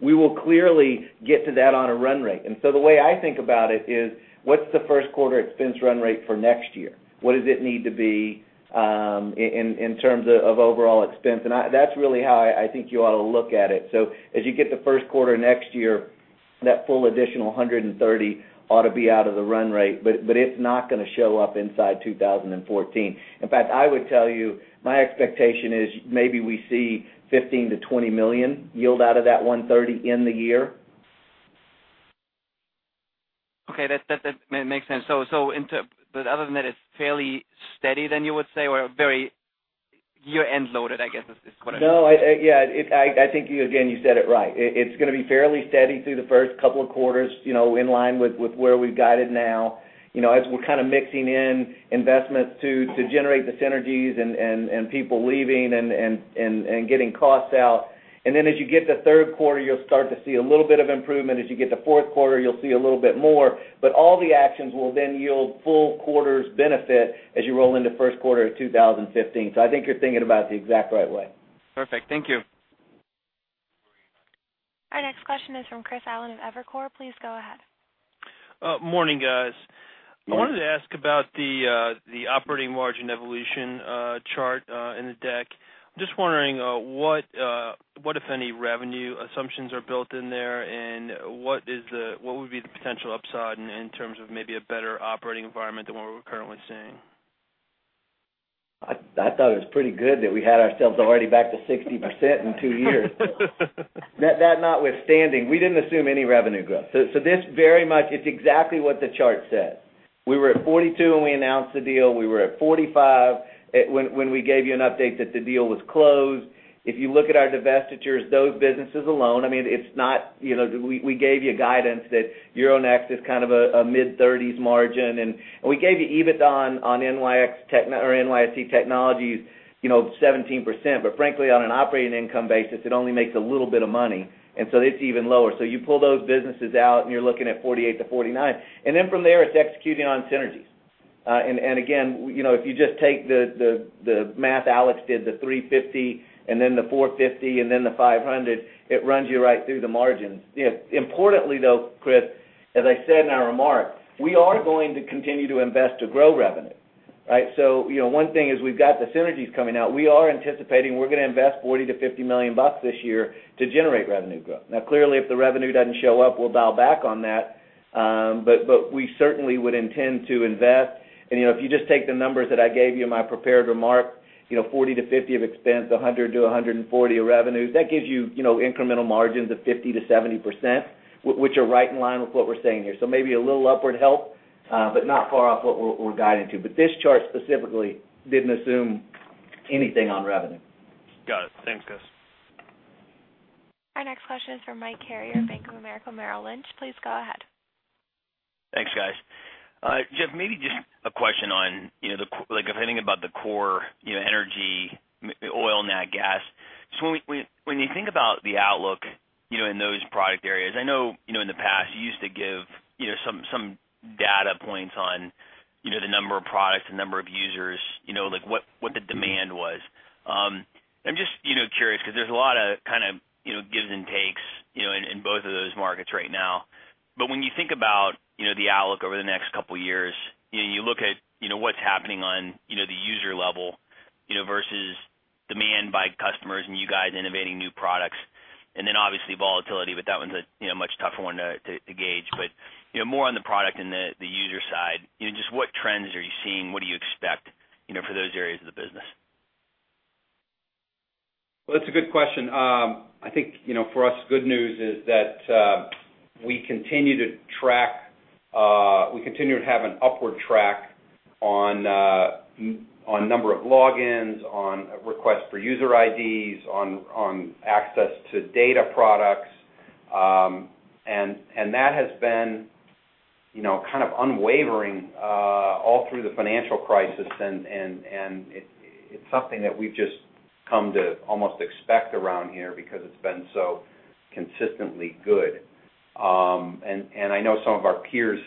We will clearly get to that on a run rate. The way I think about it is, what's the first quarter expense run rate for next year? What does it need to be, in terms of overall expense? That's really how I think you ought to look at it. As you get to the first quarter next year, that full additional $130 ought to be out of the run rate, but it's not going to show up inside 2014. In fact, I would tell you, my expectation is maybe we see $15 million-$20 million yield out of that $130 in the year. Okay. That makes sense. Other than that, it's fairly steady, then, you would say? Very year-end loaded, I guess, is what I'm- No. I think, again, you said it right. It's going to be fairly steady through the first couple of quarters, in line with where we've guided now. As we're kind of mixing in investments to generate the synergies and people leaving and getting costs out. As you get to the third quarter, you'll start to see a little bit of improvement. As you get to the fourth quarter, you'll see a little bit more. All the actions will then yield full quarter's benefit as you roll into first quarter of 2015. I think you're thinking about it the exact right way. Perfect. Thank you. Our next question is from Chris Allen of Evercore. Please go ahead. Morning, guys. Morning. I wanted to ask about the operating margin evolution chart in the deck. Just wondering what, if any, revenue assumptions are built in there, and what would be the potential upside in terms of maybe a better operating environment than what we're currently seeing? I thought it was pretty good that we had ourselves already back to 60% in 2 years. That notwithstanding, we didn't assume any revenue growth. This very much, it's exactly what the chart said. We were at 42 when we announced the deal. We were at 45 when we gave you an update that the deal was closed. If you look at our divestitures, those businesses alone, we gave you guidance that Euronext is kind of a mid-30s margin, we gave you EBITDA on NYSE Technologies, 17%. Frankly, on an operating income basis, it only makes a little bit of money, it's even lower. You pull those businesses out, you're looking at 48-49. From there, it's executing on synergies. If you just take the math Alex did, the $350, the $450, the $500, it runs you right through the margins. Importantly, though, Chris, as I said in our remarks, we are going to continue to invest to grow revenue, right? One thing is we've got the synergies coming out. We are anticipating we're going to invest $40 million-$50 million this year to generate revenue growth. Clearly, if the revenue doesn't show up, we'll dial back on that. We certainly would intend to invest. If you just take the numbers that I gave you in my prepared remarks, $40 million-$50 million of expense, $100 million-$140 million of revenues, that gives you incremental margins of 50%-70%, which are right in line with what we're saying here. Maybe a little upward help, not far off what we're guiding to. This chart specifically didn't assume anything on revenue. Got it. Thanks, guys. Our next question is from Michael Carrier, Bank of America Merrill Lynch. Please go ahead. Thanks, guys. Jeff, maybe just a question on, if anything, about the core energy, oil, nat gas. When you think about the outlook in those product areas, I know in the past, you used to give some data points on the number of products, the number of users, like what the demand was. I'm just curious because there's a lot of kind of giving- In both of those markets right now. When you think about the outlook over the next couple of years, you look at what's happening on the user level versus demand by customers and you guys innovating new products, and then obviously volatility, but that one's a much tougher one to gauge. More on the product and the user side, just what trends are you seeing? What do you expect for those areas of the business? Well, that's a good question. I think, for us, good news is that we continue to have an upward track on number of logins, on requests for user IDs, on access to data products. That has been kind of unwavering all through the financial crisis, and it's something that we've just come to almost expect around here because it's been so consistently good. I know some of our peers,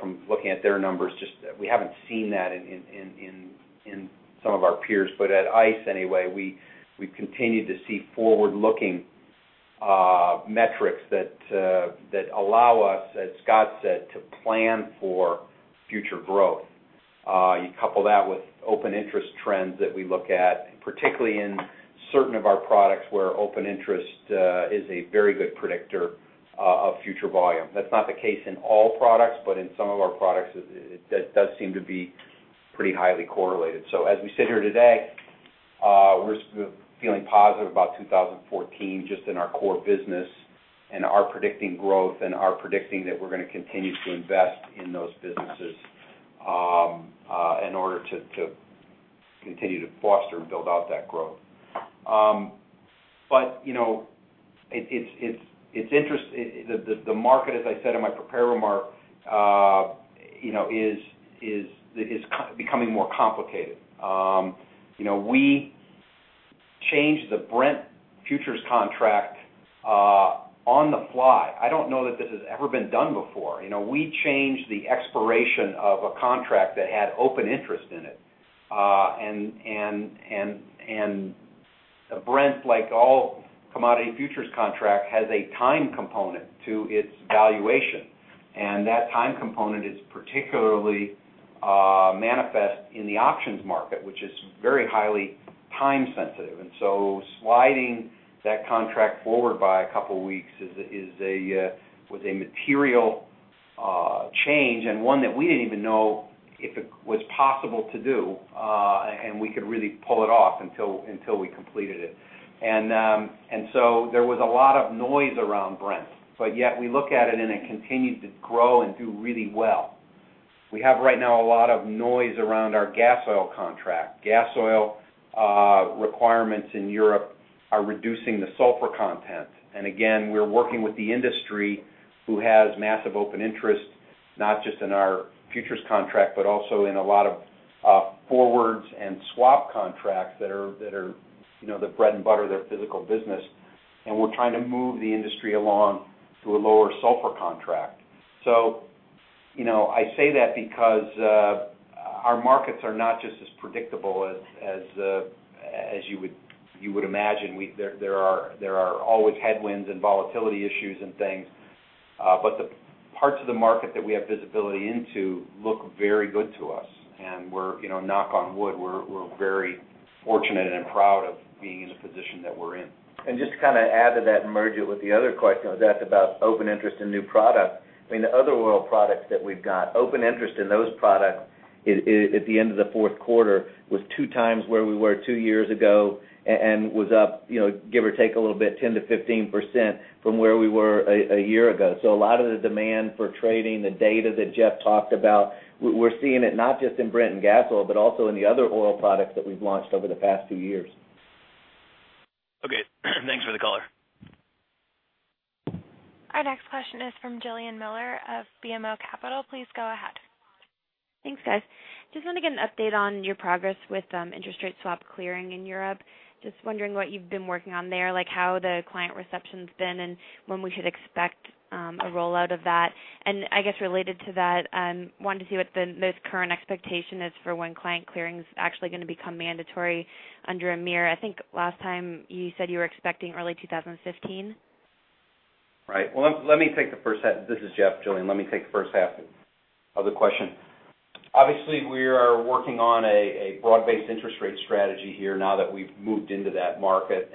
from looking at their numbers, just that we haven't seen that in some of our peers, but at ICE, anyway, we've continued to see forward-looking metrics that allow us, as Scott said, to plan for future growth. You couple that with open interest trends that we look at, particularly in certain of our products, where open interest is a very good predictor of future volume. That's not the case in all products, but in some of our products, that does seem to be pretty highly correlated. As we sit here today, we're feeling positive about 2014 just in our core business, and are predicting growth, and are predicting that we're going to continue to invest in those businesses in order to continue to foster and build out that growth. The market, as I said in my prepared remark, is becoming more complicated. We changed the Brent futures contract on the fly. I don't know that this has ever been done before. We changed the expiration of a contract that had open interest in it. Brent, like all commodity futures contract, has a time component to its valuation, and that time component is particularly manifest in the options market, which is very highly time sensitive. Sliding that contract forward by a couple of weeks was a material change and one that we didn't even know if it was possible to do, and we could really pull it off until we completed it. There was a lot of noise around Brent, but yet we look at it, and it continued to grow and do really well. We have right now a lot of noise around our gas oil contract. Gas oil requirements in Europe are reducing the sulfur content. Again, we're working with the industry who has massive open interest, not just in our futures contract, but also in a lot of forwards and swap contracts that are the bread and butter of their physical business. We're trying to move the industry along to a lower sulfur contract. I say that because our markets are not just as predictable as you would imagine. There are always headwinds and volatility issues and things. The parts of the market that we have visibility into look very good to us, and we're, knock on wood, very fortunate and proud of being in the position that we're in. Just to kind of add to that and merge it with the other question that's about open interest in new products. I mean, the other oil products that we've got, open interest in those products at the end of the fourth quarter was 2 times where we were 2 years ago and was up, give or take a little bit, 10%-15% from where we were a year ago. A lot of the demand for trading the data that Jeff talked about, we're seeing it not just in Brent and gas oil, but also in the other oil products that we've launched over the past 2 years. Okay. Thanks for the caller. Our next question is from Jillian Miller of BMO Capital. Please go ahead. Thanks, guys. Just want to get an update on your progress with interest rate swap clearing in Europe. Just wondering what you've been working on there, like how the client reception's been, and when we should expect a rollout of that. I guess related to that, wanted to see what the most current expectation is for when client clearing's actually going to become mandatory under EMIR. I think last time you said you were expecting early 2015. Right. Well, this is Jeff, Jillian. Let me take the first half of the question. Obviously, we are working on a broad-based interest rate strategy here now that we've moved into that market.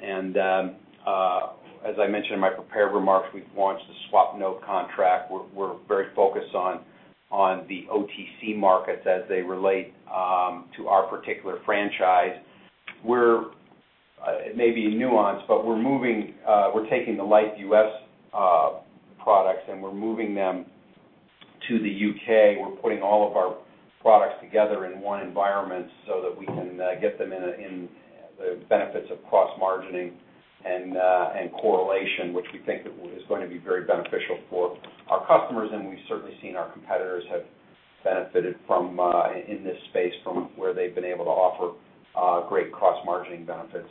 As I mentioned in my prepared remarks, we've launched the Swapnote contract. We're very focused on the OTC markets as they relate to our particular franchise, where it may be a nuance, but we're taking the Liffe U.S. products, and we're moving them to the U.K. We're putting all of our products together in one environment so that we can get them in the benefits of cross-margining and correlation, which we think is going to be very beneficial for our customers. We've certainly seen our competitors have benefited in this space from where they've been able to offer great cross-margining benefits.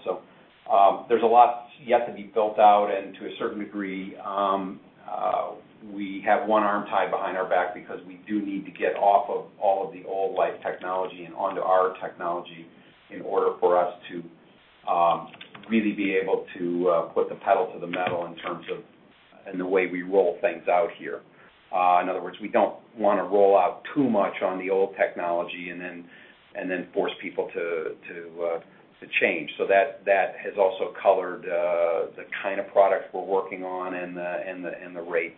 There's a lot yet to be built out. To a certain degree We have one arm tied behind our back because we do need to get off of all of the old Liffe technology and onto our technology in order for us to really be able to put the pedal to the metal in terms of the way we roll things out here. In other words, we don't want to roll out too much on the old technology and then force people to change. That has also colored the kind of products we're working on and the rate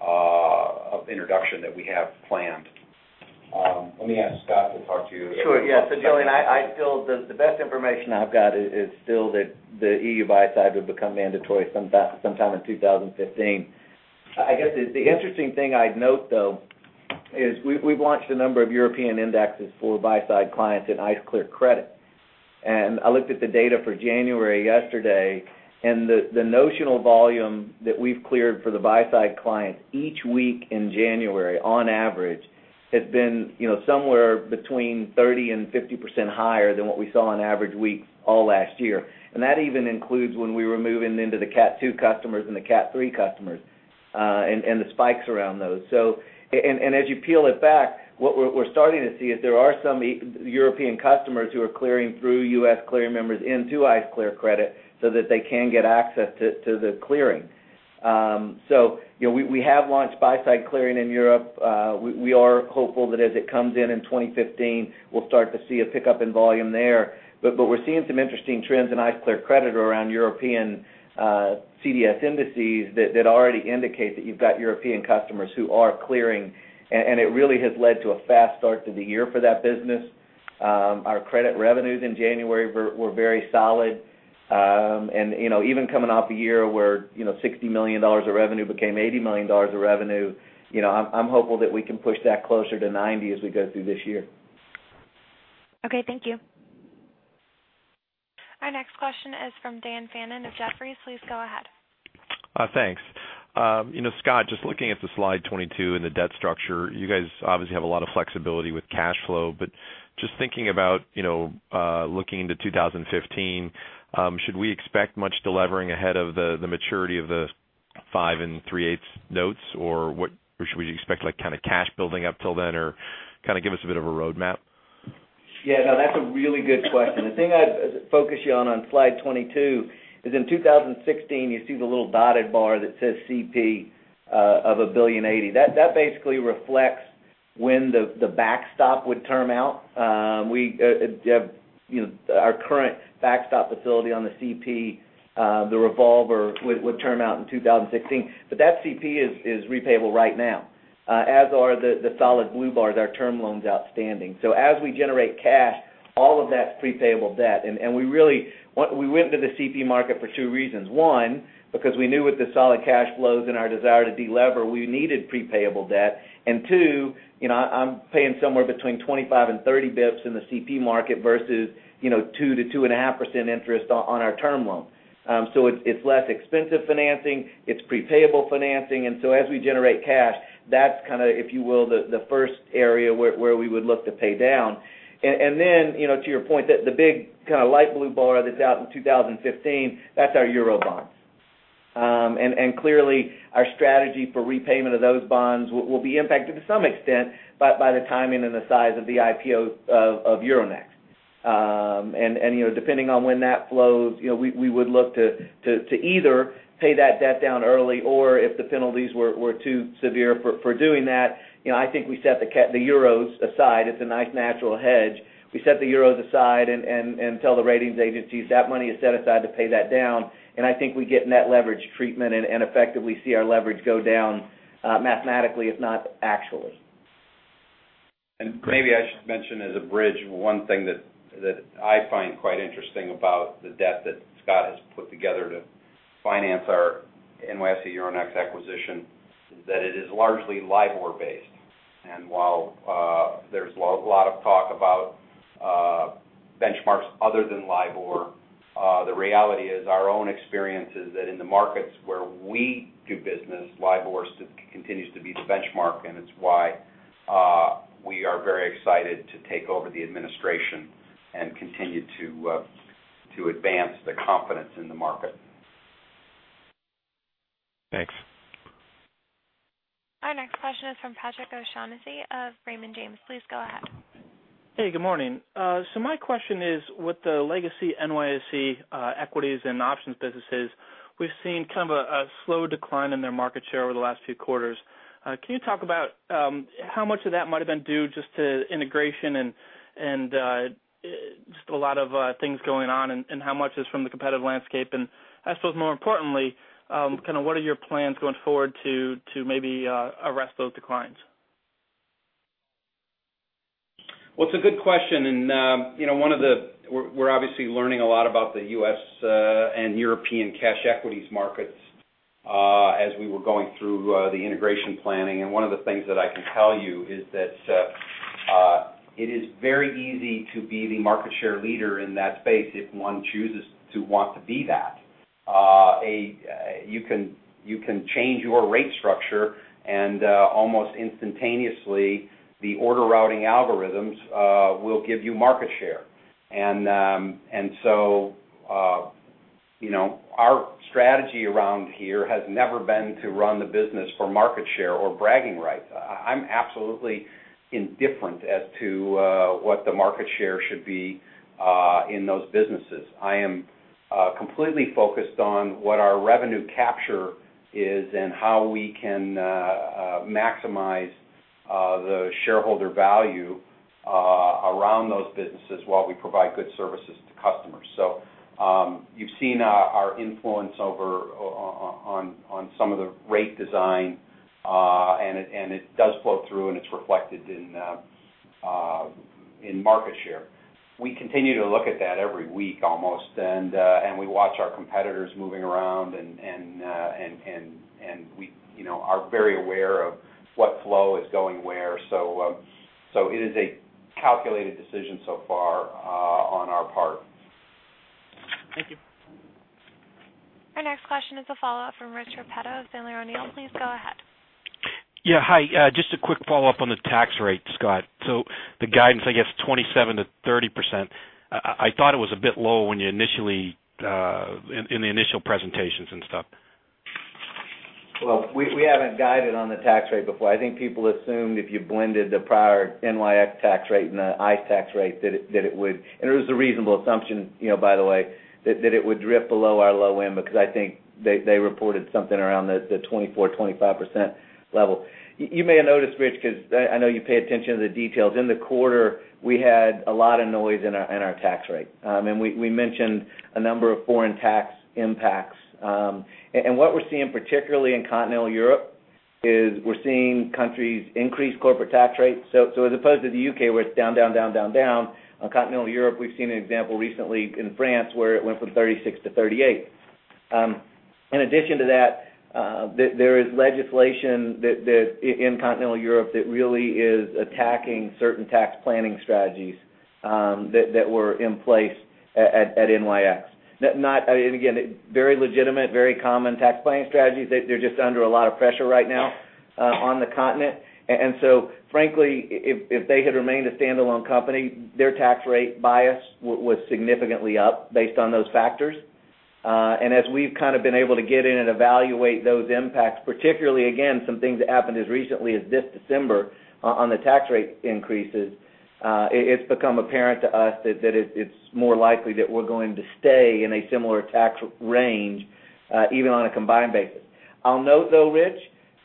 of introduction that we have planned. Let me ask Scott to talk to you- Sure. Yeah. Jillian, I feel the best information I've got is still that the EU buy-side will become mandatory sometime in 2015. I guess the interesting thing I'd note, though, is we've launched a number of European indexes for buy-side clients in ICE Clear Credit. I looked at the data for January yesterday, and the notional volume that we've cleared for the buy-side clients each week in January, on average, has been somewhere between 30% and 50% higher than what we saw on average week all last year. That even includes when we were moving into the CAT II customers and the CAT III customers, and the spikes around those. As you peel it back, what we're starting to see is there are some European customers who are clearing through U.S. clearing members into ICE Clear Credit so that they can get access to the clearing. We have launched buy-side clearing in Europe. We are hopeful that as it comes in in 2015, we'll start to see a pickup in volume there. We're seeing some interesting trends in ICE Clear Credit around European CDS indices that already indicate that you've got European customers who are clearing, and it really has led to a fast start to the year for that business. Our credit revenues in January were very solid. Even coming off a year where $60 million of revenue became $80 million of revenue, I'm hopeful that we can push that closer to $90 as we go through this year. Okay. Thank you. Our next question is from Daniel Fannon of Jefferies. Please go ahead. Thanks. Scott, just looking at the slide 22 and the debt structure, you guys obviously have a lot of flexibility with cash flow, but just thinking about looking into 2015, should we expect much delevering ahead of the maturity of the five and three-eighths notes? Should we expect cash building up till then? Give us a bit of a roadmap. Yeah. No, that's a really good question. The thing I'd focus you on slide 22 is in 2016, you see the little dotted bar that says CP of $1.08 billion. That basically reflects when the backstop would term out. Our current backstop facility on the CP, the revolver, would term out in 2016. That CP is repayable right now, as are the solid blue bars, our term loans outstanding. As we generate cash, all of that's pre-payable debt. We went to the CP market for two reasons. One, because we knew with the solid cash flows and our desire to delever, we needed pre-payable debt. Two, I'm paying somewhere between 25 and 30 basis points in the CP market versus 2%-2.5% interest on our term loan. It's less expensive financing, it's pre-payable financing. As we generate cash, that's kind of, if you will, the first area where we would look to pay down. Then, to your point, the big light blue bar that's out in 2015, that's our euro bonds. Clearly, our strategy for repayment of those bonds will be impacted to some extent by the timing and the size of the IPO of Euronext. Depending on when that flows, we would look to either pay that debt down early or if the penalties were too severe for doing that, I think we set the euros aside. It's a nice natural hedge. We set the euros aside and tell the ratings agencies that money is set aside to pay that down. I think we get net leverage treatment and effectively see our leverage go down mathematically, if not actually. Maybe I should mention as a bridge, one thing that I find quite interesting about the debt that Scott has put together to finance our NYSE Euronext acquisition is that it is largely LIBOR-based. While there's a lot of talk about benchmarks other than LIBOR, the reality is our own experience is that in the markets where we do business, LIBOR continues to be the benchmark, and it's why we are very excited to take over the administration and continue to advance the confidence in the market. Thanks. Our next question is from Patrick O'Shaughnessy of Raymond James. Please go ahead. Hey, good morning. My question is, with the legacy NYSE equities and options businesses, we've seen kind of a slow decline in their market share over the last few quarters. Can you talk about how much of that might have been due just to integration and just a lot of things going on, and how much is from the competitive landscape? I suppose more importantly, what are your plans going forward to maybe arrest those declines? It's a good question, and we're obviously learning a lot about the U.S. and European cash equities markets as we were going through the integration planning. One of the things that I can tell you is that it is very easy to be the market share leader in that space if one chooses to want to be that. You can change your rate structure and almost instantaneously, the order routing algorithms will give you market share. Our strategy around here has never been to run the business for market share or bragging rights. I'm absolutely indifferent as to what the market share should be in those businesses. I am completely focused on what our revenue capture is and how we can maximize the shareholder value around those businesses while we provide good services to customers. You've seen our influence on some of the rate design, and it does flow through and it's reflected in market share. We continue to look at that every week almost, and we watch our competitors moving around and we are very aware of what flow is going where. It is a calculated decision so far on our part. Thank you. Our next question is a follow-up from Rich Repetto of Sandler O'Neill + Partners, L.P. Please go ahead. Yeah. Hi. Just a quick follow-up on the tax rate, Scott. The guidance, I guess, 27%-30%. I thought it was a bit low in the initial presentations and stuff. Well, we haven't guided on the tax rate before. I think people assumed if you blended the prior NYX tax rate and the ICE tax rate. It was a reasonable assumption, by the way, that it would drift below our low end because I think they reported something around the 24%-25% level. You may have noticed, Rich, because I know you pay attention to the details. In the quarter, we had a lot of noise in our tax rate. We mentioned a number of foreign tax impacts. What we're seeing, particularly in Continental Europe, is we're seeing countries increase corporate tax rates. As opposed to the U.K., where it's down, on Continental Europe, we've seen an example recently in France, where it went from 36%-38%. In addition to that, there is legislation in Continental Europe that really is attacking certain tax planning strategies that were in place at NYX. Again, very legitimate, very common tax planning strategies. They're just under a lot of pressure right now on the continent. So frankly, if they had remained a standalone company, their tax rate bias was significantly up based on those factors. As we've kind of been able to get in and evaluate those impacts, particularly again, some things that happened as recently as this December on the tax rate increases, it's become apparent to us that it's more likely that we're going to stay in a similar tax range, even on a combined basis. I'll note, though, Rich,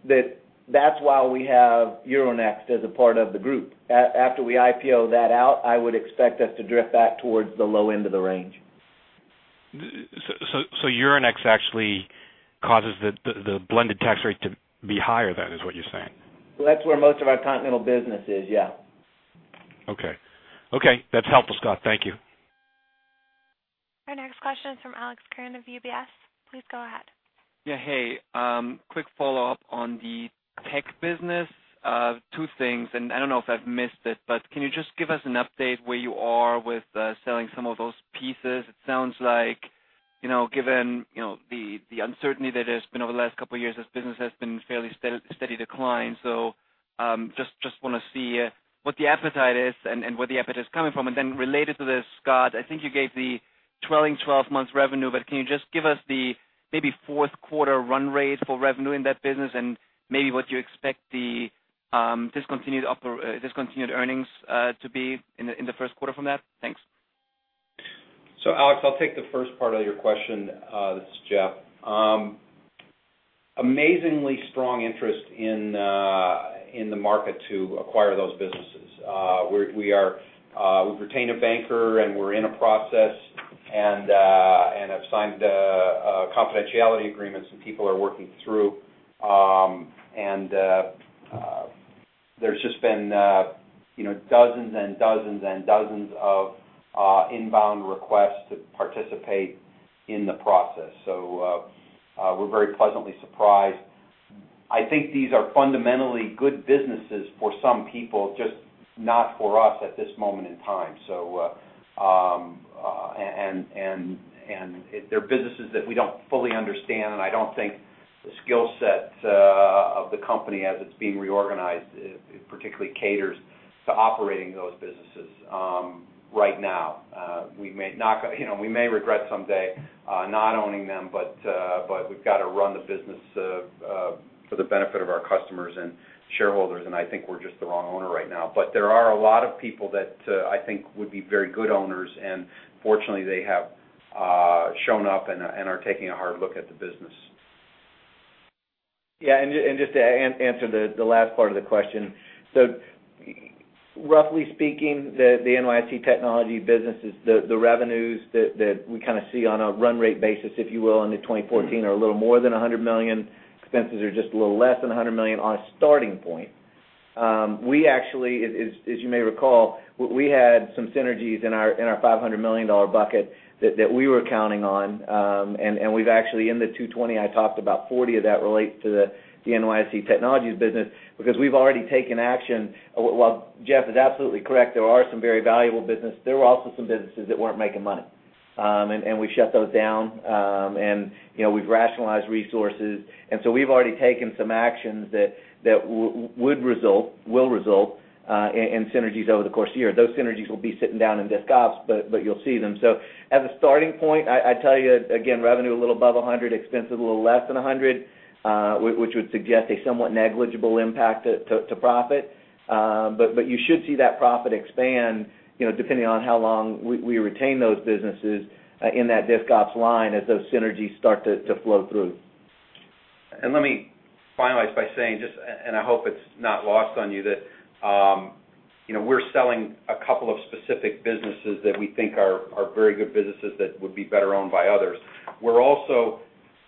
that that's why we have Euronext as a part of the group. After we IPO that out, I would expect us to drift back towards the low end of the range. Euronext actually causes the blended tax rate to be higher then, is what you're saying? Well, that's where most of our continental business is, yeah. Okay. That's helpful, Scott. Thank you. Our next question is from Alex Kramm of UBS. Please go ahead. Yeah. Hey. Quick follow-up on the tech business. Two things, and I don't know if I've missed it, but can you just give us an update where you are with selling some of those pieces? It sounds like, given the uncertainty that has been over the last couple of years, this business has been in fairly steady decline. Just want to see what the appetite is and where the appetite is coming from. Related to this, Scott Hill, I think you gave the trailing 12 months revenue, but can you just give us the maybe fourth quarter run rate for revenue in that business and maybe what you expect the discontinued earnings to be in the first quarter from that? Thanks. Alex, I'll take the first part of your question. This is Jeffrey. Amazingly strong interest in the market to acquire those businesses. We've retained a banker and we're in a process and have signed confidentiality agreements that people are working through. There's just been dozens and dozens of inbound requests to participate in the process. We're very pleasantly surprised. I think these are fundamentally good businesses for some people, just not for us at this moment in time. They're businesses that we don't fully understand, and I don't think the skill set of the company as it's being reorganized, it particularly caters to operating those businesses right now. We may regret someday not owning them, but we've got to run the business for the benefit of our customers and shareholders, and I think we're just the wrong owner right now. There are a lot of people that I think would be very good owners, and fortunately, they have shown up and are taking a hard look at the business. Just to answer the last part of the question. Roughly speaking, the NYSE Technologies businesses, the revenues that we kind of see on a run rate basis, if you will, into 2014 are a little more than $100 million. Expenses are just a little less than $100 million on a starting point. We actually, as you may recall, we had some synergies in our $500 million bucket that we were counting on. We've actually, in the 220, I talked about 40 of that relates to the NYSE Technologies business because we've already taken action. While Jeffrey is absolutely correct, there are some very valuable business, there were also some businesses that weren't making money. We shut those down, we've rationalized resources. We've already taken some actions that will result in synergies over the course of the year. Those synergies will be sitting down in disc ops, but you'll see them. As a starting point, I tell you again, revenue a little above 100, expense is a little less than 100, which would suggest a somewhat negligible impact to profit. You should see that profit expand, depending on how long we retain those businesses in that disc ops line as those synergies start to flow through. Let me finalize by saying just, I hope it's not lost on you, that we're selling a couple of specific businesses that we think are very good businesses that would be better owned by others. We're also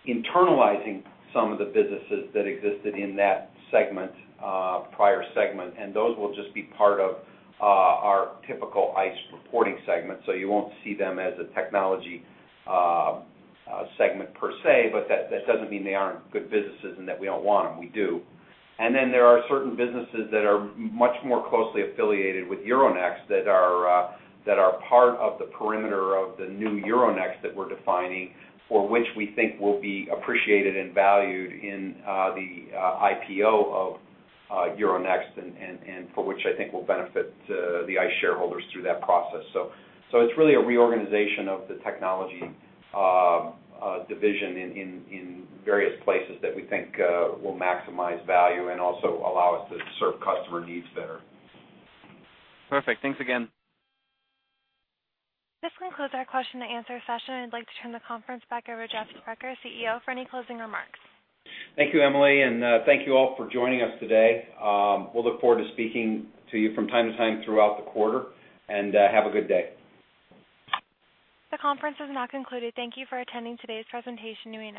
internalizing some of the businesses that existed in that segment, prior segment, and those will just be part of our typical ICE reporting segment. You won't see them as a technology segment per se, but that doesn't mean they aren't good businesses and that we don't want them. We do. There are certain businesses that are much more closely affiliated with Euronext that are part of the perimeter of the new Euronext that we're defining, for which we think will be appreciated and valued in the IPO of Euronext and for which I think will benefit the ICE shareholders through that process. It's really a reorganization of the technology division in various places that we think will maximize value and also allow us to serve customer needs better. Perfect. Thanks again. This concludes our question and answer session. I'd like to turn the conference back over to Jeffrey Sprecher, CEO, for any closing remarks. Thank you, Emily. Thank you all for joining us today. We'll look forward to speaking to you from time to time throughout the quarter. Have a good day. The conference has now concluded. Thank you for attending today's presentation. You may now-